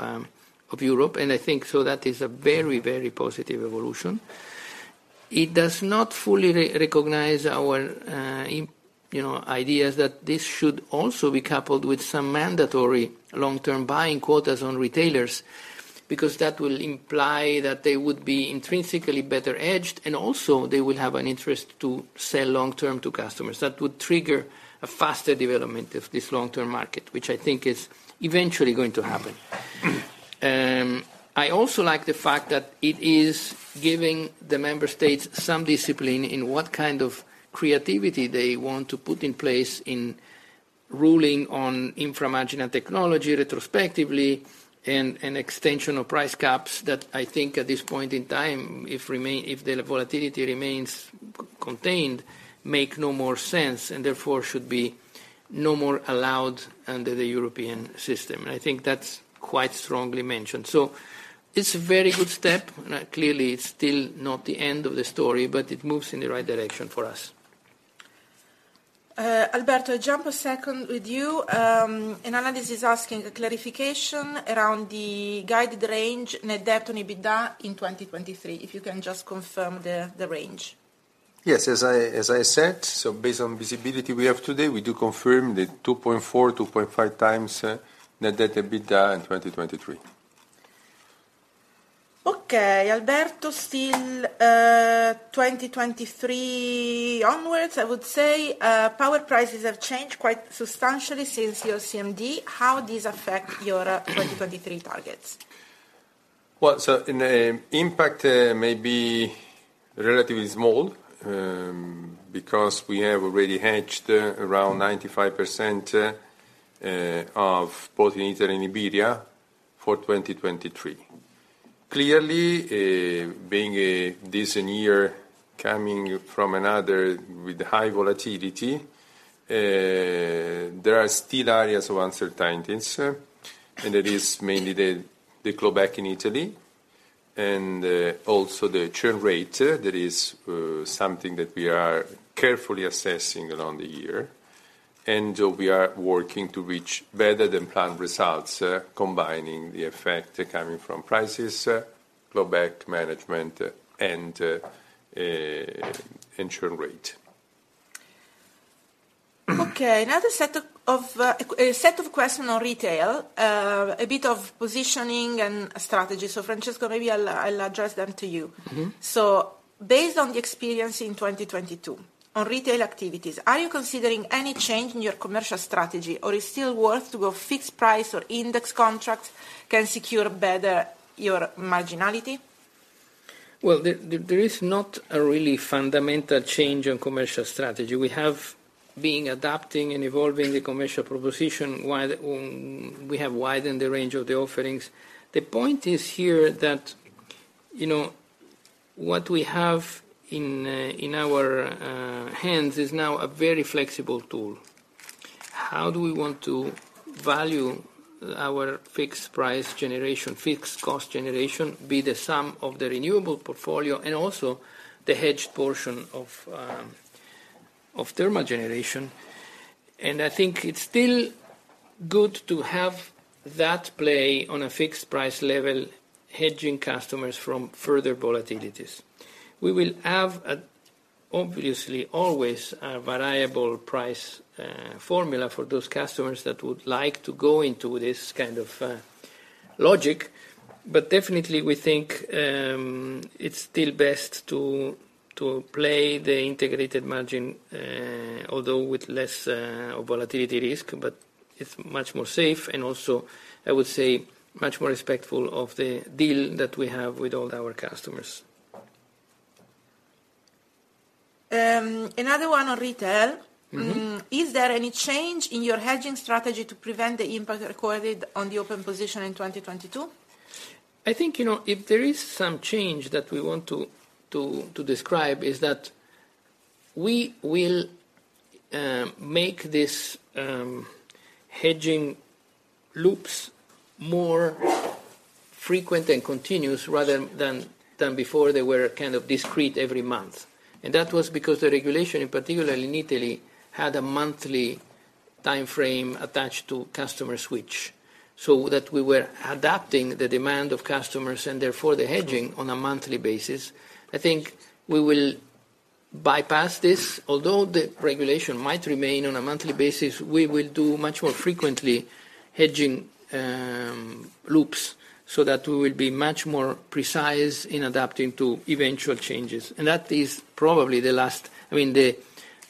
Europe. I think so that is a very, very positive evolution. It does not fully re-recognize our, you know, ideas that this should also be coupled with some mandatory long-term buying quotas on retailers, because that will imply that they would be intrinsically better edged, and also they will have an interest to sell long-term to customers. That would trigger a faster development of this long-term market, which I think is eventually going to happen. I also like the fact that it is giving the member states some discipline in what kind of creativity they want to put in place in ruling on inframarginal technology retrospectively and an extension of price caps that I think at this point in time, if the volatility remains contained, make no more sense and therefore should be no more allowed under the European system. I think that's quite strongly mentioned. It's a very good step, and clearly it's still not the end of the story, but it moves in the right direction for us. Alberto, jump a second with you. An analyst is asking a clarification around the guided range net debt on EBITDA in 2023, if you can just confirm the range? Yes. As I said, based on visibility we have today, we do confirm the 2.4x-2.5x net debt EBITDA in 2023. Okay. Alberto, still, 2023 onwards, I would say, power prices have changed quite substantially since your CMD. How these affect your 2023 targets? Well, in a impact may be relatively small because we have already hedged around 95% of both in Italy and Iberia for 2023. Clearly, this year coming from another with high volatility, there are still areas of uncertainties, and that is mainly the clawback in Italy and also the churn rate. That is something that we are carefully assessing around the year, and we are working to reach better than planned results, combining the effect coming from prices, clawback management and churn rate. Okay, another set of a set of question on retail, a bit of positioning and strategy. Francesco, maybe I'll address them to you. Based on the experience in 2022 on retail activities, are you considering any change in your commercial strategy, or is still worth to go fixed price or index contract can secure better your marginality? Well, there is not a really fundamental change in commercial strategy. We have been adapting and evolving the commercial proposition while we have widened the range of the offerings. The point is here that, you know, what we have in our hands is now a very flexible tool. How do we want to value our fixed price generation, fixed cost generation, be the sum of the renewable portfolio and also the hedged portion of thermal generation. I think it's still good to have that play on a fixed price level, hedging customers from further volatilities. We will have a, obviously, always a variable price formula for those customers that would like to go into this kind of logic. Definitely we think, it's still best to play the integrated margin, although with less volatility risk, but it's much more safe and also, I would say, much more respectful of the deal that we have with all our customers. Another one on retail. Is there any change in your hedging strategy to prevent the impact recorded on the open position in 2022? I think, you know, if there is some change that we want to describe is that we will make this hedging loops more frequent and continuous rather than before they were kind of discrete every month. That was because the regulation, in particular in Italy, had a monthly timeframe attached to customer switch, so that we were adapting the demand of customers and therefore the hedging on a monthly basis. I think we will bypass this. Although the regulation might remain on a monthly basis, we will do much more frequently hedging loops so that we will be much more precise in adapting to eventual changes. That is probably the last, I mean, the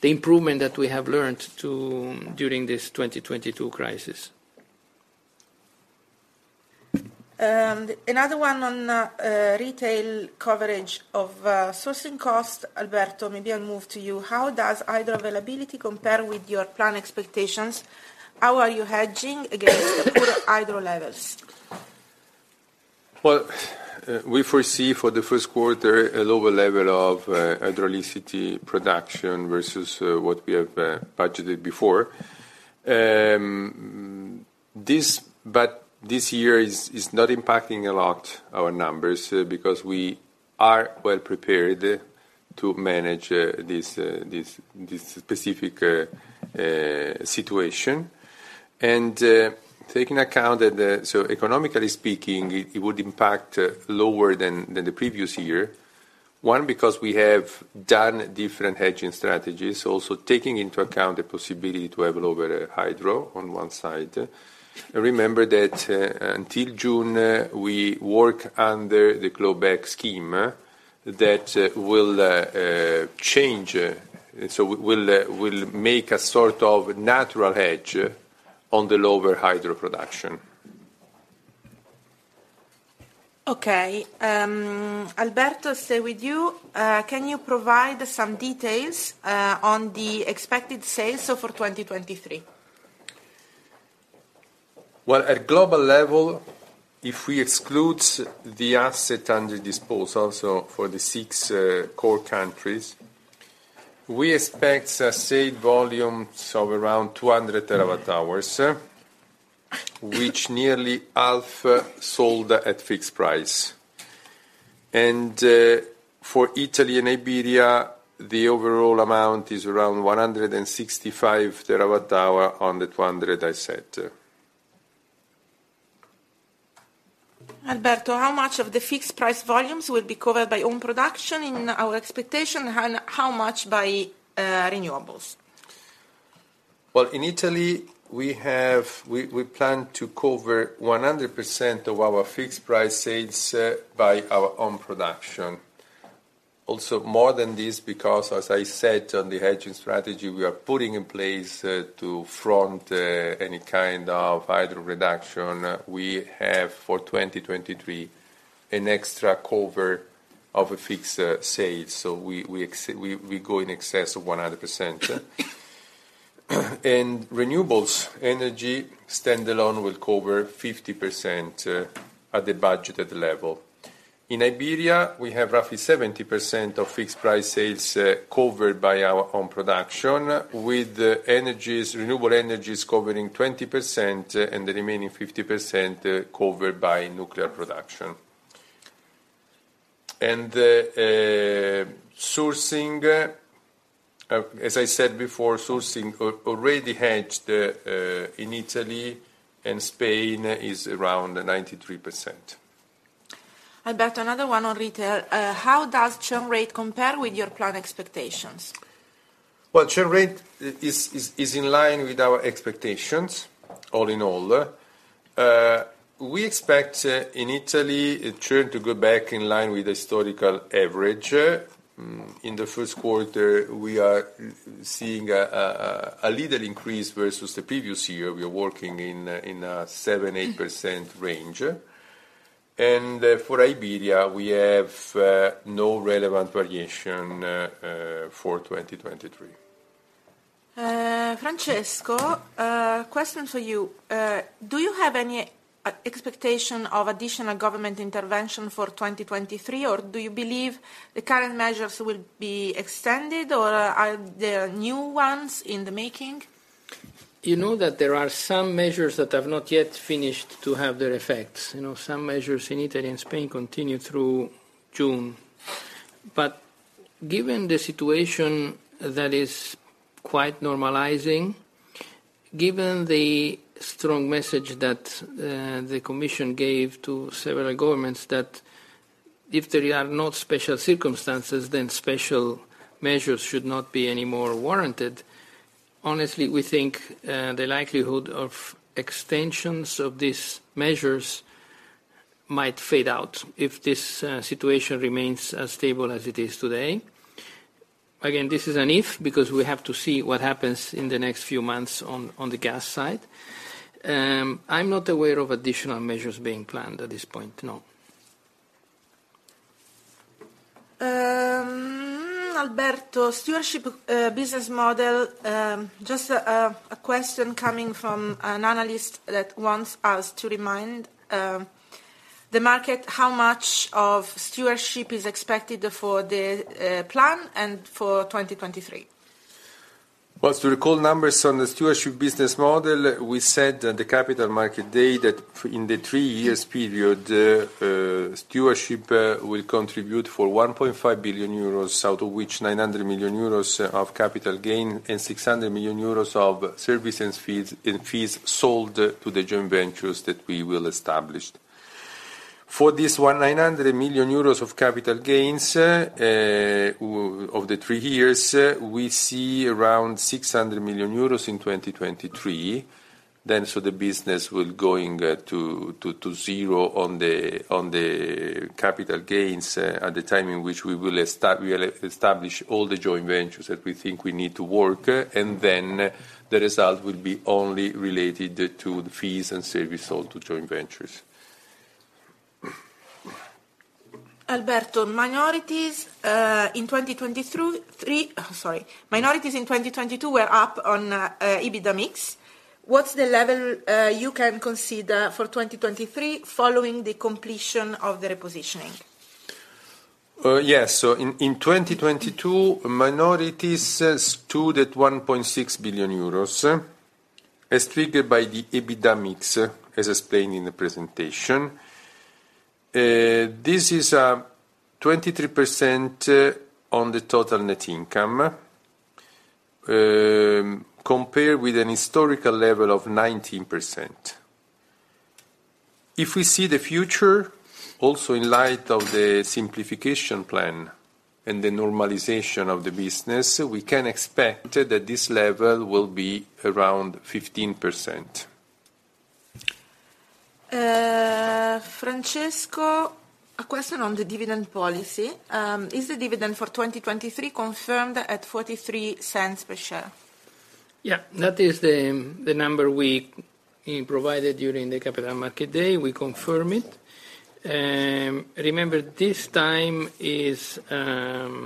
improvement that we have learned to during this 2022 crisis. Another one on retail coverage of sourcing costs. Alberto, maybe I'll move to you. How does hydro availability compare with your planned expectations? How are you hedging against poor hydro levels? Well, we foresee for the first quarter a lower level of hydroelectricy production versus what we have budgeted before. This year is not impacting a lot our numbers because we are well prepared to manage this specific situation. Taking account that economically speaking, it would impact lower than the previous year. One, because we have done different hedging strategies, also taking into account the possibility to have a lower hydro on one side. Remember that until June, we work under the clawback scheme that will change. Will make a sort of natural hedge on the lower hydro production. Alberto, stay with you. Can you provide some details on the expected sales so for 2023? Well, at global level, if we exclude the asset under disposal, so for the six core countries, we expect a safe volumes of around 200 TWh, which nearly half sold at fixed price. For Italy and Iberia, the overall amount is around 165 TWh on the 200 I said. Alberto, how much of the fixed price volumes will be covered by own production in our expectation, and how much by renewables? Well, in Italy, we have. We plan to cover 100% of our fixed price sales by our own production. Also more than this, because as I said on the hedging strategy, we are putting in place to front any kind of hydro reduction, we have for 2023 an extra cover of a fixed sale. We go in excess of 100%. Renewables energy standalone will cover 50% at the budgeted level. In Iberia, we have roughly 70% of fixed price sales covered by our own production, with energies, renewable energies covering 20%, and the remaining 50% covered by nuclear production. Sourcing, as I said before, sourcing already hedged in Italy and Spain is around 93%. Alberto, another one on retail, how does churn rate compare with your plan expectations? Well, churn rate is in line with our expectations, all in all. We expect in Italy, it churn to go back in line with historical average. In the first quarter, we are seeing a little increase versus the previous year. We are working in a 7%-8% range. For Iberia, we have no relevant variation for 2023. Francesco, question for you. Do you have any expectation of additional government intervention for 2023? Do you believe the current measures will be extended, or are there new ones in the making? You know that there are some measures that have not yet finished to have their effects. You know, some measures in Italy and Spain continue through June. Given the situation that is quite normalizing, given the strong message that the commission gave to several governments that if there are not special circumstances, then special measures should not be any more warranted. Honestly, we think the likelihood of extensions of these measures might fade out if this situation remains as stable as it is today. Again, this is an if, because we have to see what happens in the next few months on the gas side. I'm not aware of additional measures being planned at this point, no. Alberto, Stewardship, business model, just a question coming from an analyst that wants us to remind the market how much of Stewardship is expected for the plan and for 2023. Well, to recall numbers on the Stewardship business model, we said at the Capital Markets Day that in the three years period, Stewardship will contribute for 1.5 billion euros, out of which 900 million euros of capital gain and 600 million euros of service and fees sold to the joint ventures that we will establish. For this one 900 million euros of capital gains, of the three years, we see around 600 million euros in 2023. The business will going to zero on the capital gains at the time in which we will establish all the joint ventures that we think we need to work, and the result will be only related to the fees and service sold to joint ventures. Alberto, minorities in 2022 were up on EBITDA mix. What's the level you can consider for 2023 following the completion of the repositioning? Yes. In 2022, minorities stood at 1.6 billion euros, as triggered by the EBITDA mix, as explained in the presentation. This is 23% on the total net income, compared with an historical level of 19%. If we see the future, also in light of the simplification plan and the normalization of the business, we can expect that this level will be around 15%. Francesco, a question on the dividend policy. Is the dividend for 2023 confirmed at 0.43 per share? Yeah. That is the number we provided during the Capital Markets Day. We confirm it. Remember, this time is our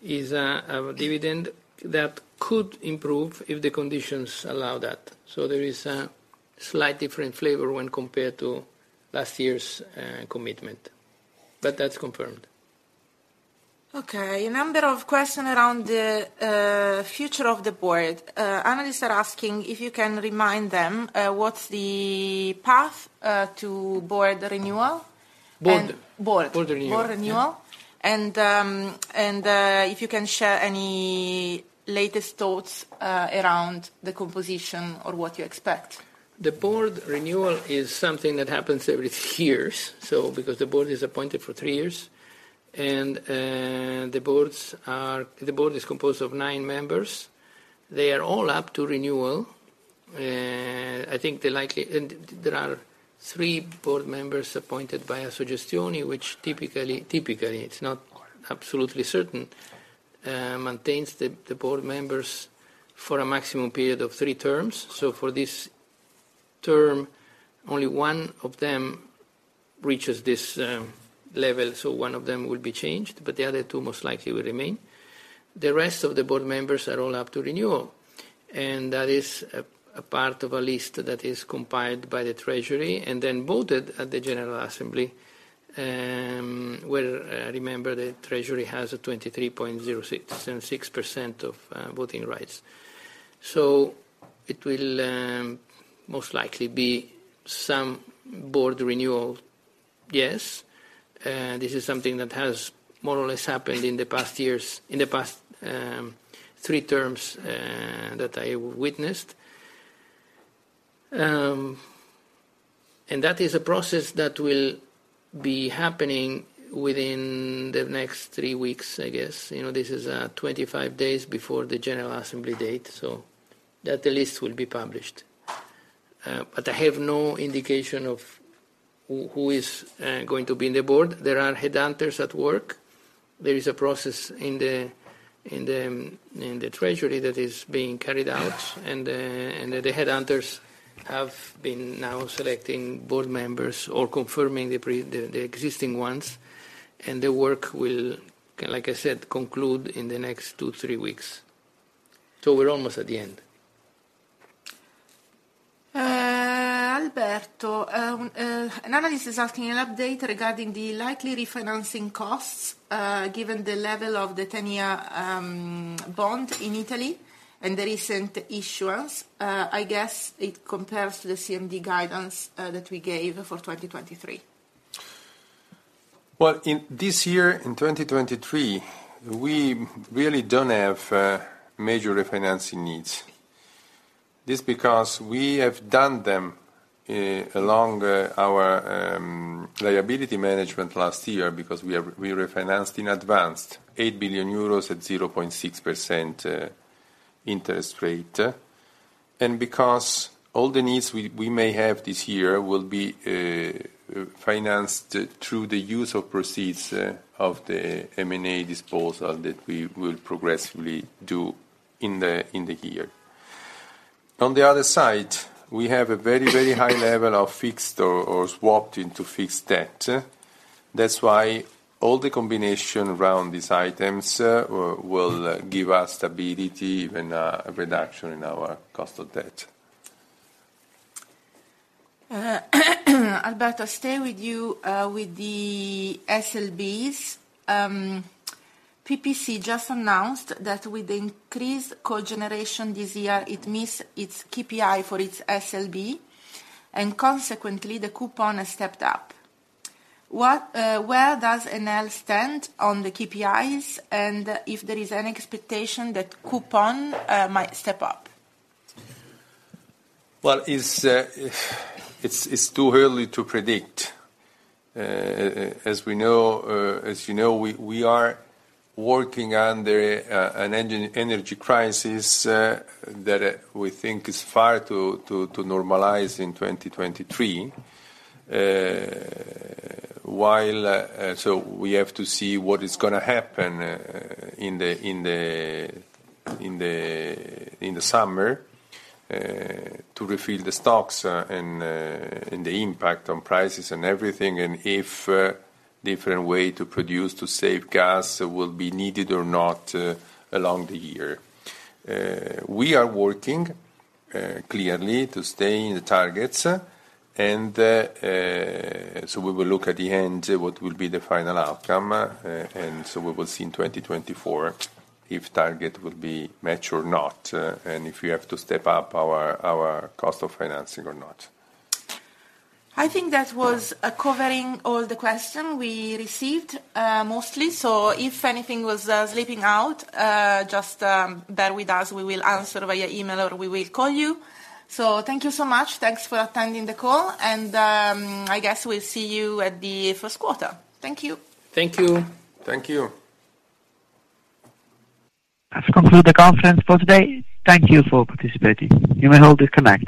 dividend that could improve if the conditions allow that. There is a slight different flavor when compared to last year's commitment. That's confirmed. Okay. A number of question around the, future of the board. Analysts are asking if you can remind them, what's the path, to board renewal? Board renewal. Board renewal. If you can share any latest thoughts, around the composition or what you expect? The board renewal is something that happens every three years, so because the board is appointed for three years. The board is composed of nine members. They are all up to renewal. I think there are three board members appointed by Sogei, which typically, it's not absolutely certain, maintains the board members for a maximum period of three terms. For this term, only one of them reaches this level, so one of them will be changed, but the other two most likely will remain. The rest of the board members are all up to renewal, and that is a part of a list that is compiled by the treasury and then voted at the general assembly, where remember the treasury has a 23.06% of voting rights. It will most likely be some board renewal, yes. This is something that has more or less happened in the past years, in the past three terms that I witnessed. That is a process that will be happening within the next three weeks, I guess. You know, this is 25 days before the general assembly date, that list will be published. I have no indication of who is going to be in the board. There are headhunters at work. There is a process in the treasury that is being carried out, the headhunters have been now selecting board members or confirming the existing ones, the work will, like I said, conclude in the next two, three weeks. We're almost at the end. Alberto, an analyst is asking an update regarding the likely refinancing costs, given the level of the 10-year bond in Italy and the recent issuance. I guess it compares to the CMD guidance that we gave for 2023. In this year, in 2023, we really don't have major refinancing needs. This because we have done them along our liability management last year because we refinanced in advance 8 billion euros at 0.6% interest rate. Because all the needs we may have this year will be financed through the use of proceeds of the M&A disposal that we will progressively do in the year. On the other side, we have a very high level of fixed or swapped into fixed debt. That's why all the combination around these items will give us stability, even a reduction in our cost of debt. Alberto, stay with you, with the SLBs. PPC just announced that with increased cogeneration this year it missed its KPI for its SLB, and consequently, the coupon has stepped up. What, where does Enel stand on the KPIs, and if there is an expectation that coupon might step up? Well, it's too early to predict. As we know, as you know, we are working under an energy crisis, that we think is far to normalize in 2023. While we have to see what is gonna happen in the summer, to refill the stocks, and the impact on prices and everything, and if different way to produce to save gas will be needed or not along the year. We are working, clearly to stay in the targets. We will look at the end what will be the final outcome. We will see in 2024 if target will be met or not. If we have to step up our cost of financing or not. I think that was covering all the question we received, mostly. If anything was slipping out, just bear with us, we will answer via email or we will call you. Thank you so much. Thanks for attending the call, and I guess we'll see you at the first quarter. Thank you. Thank you. Thank you. That conclude the conference for today. Thank you for participating. You may all disconnect.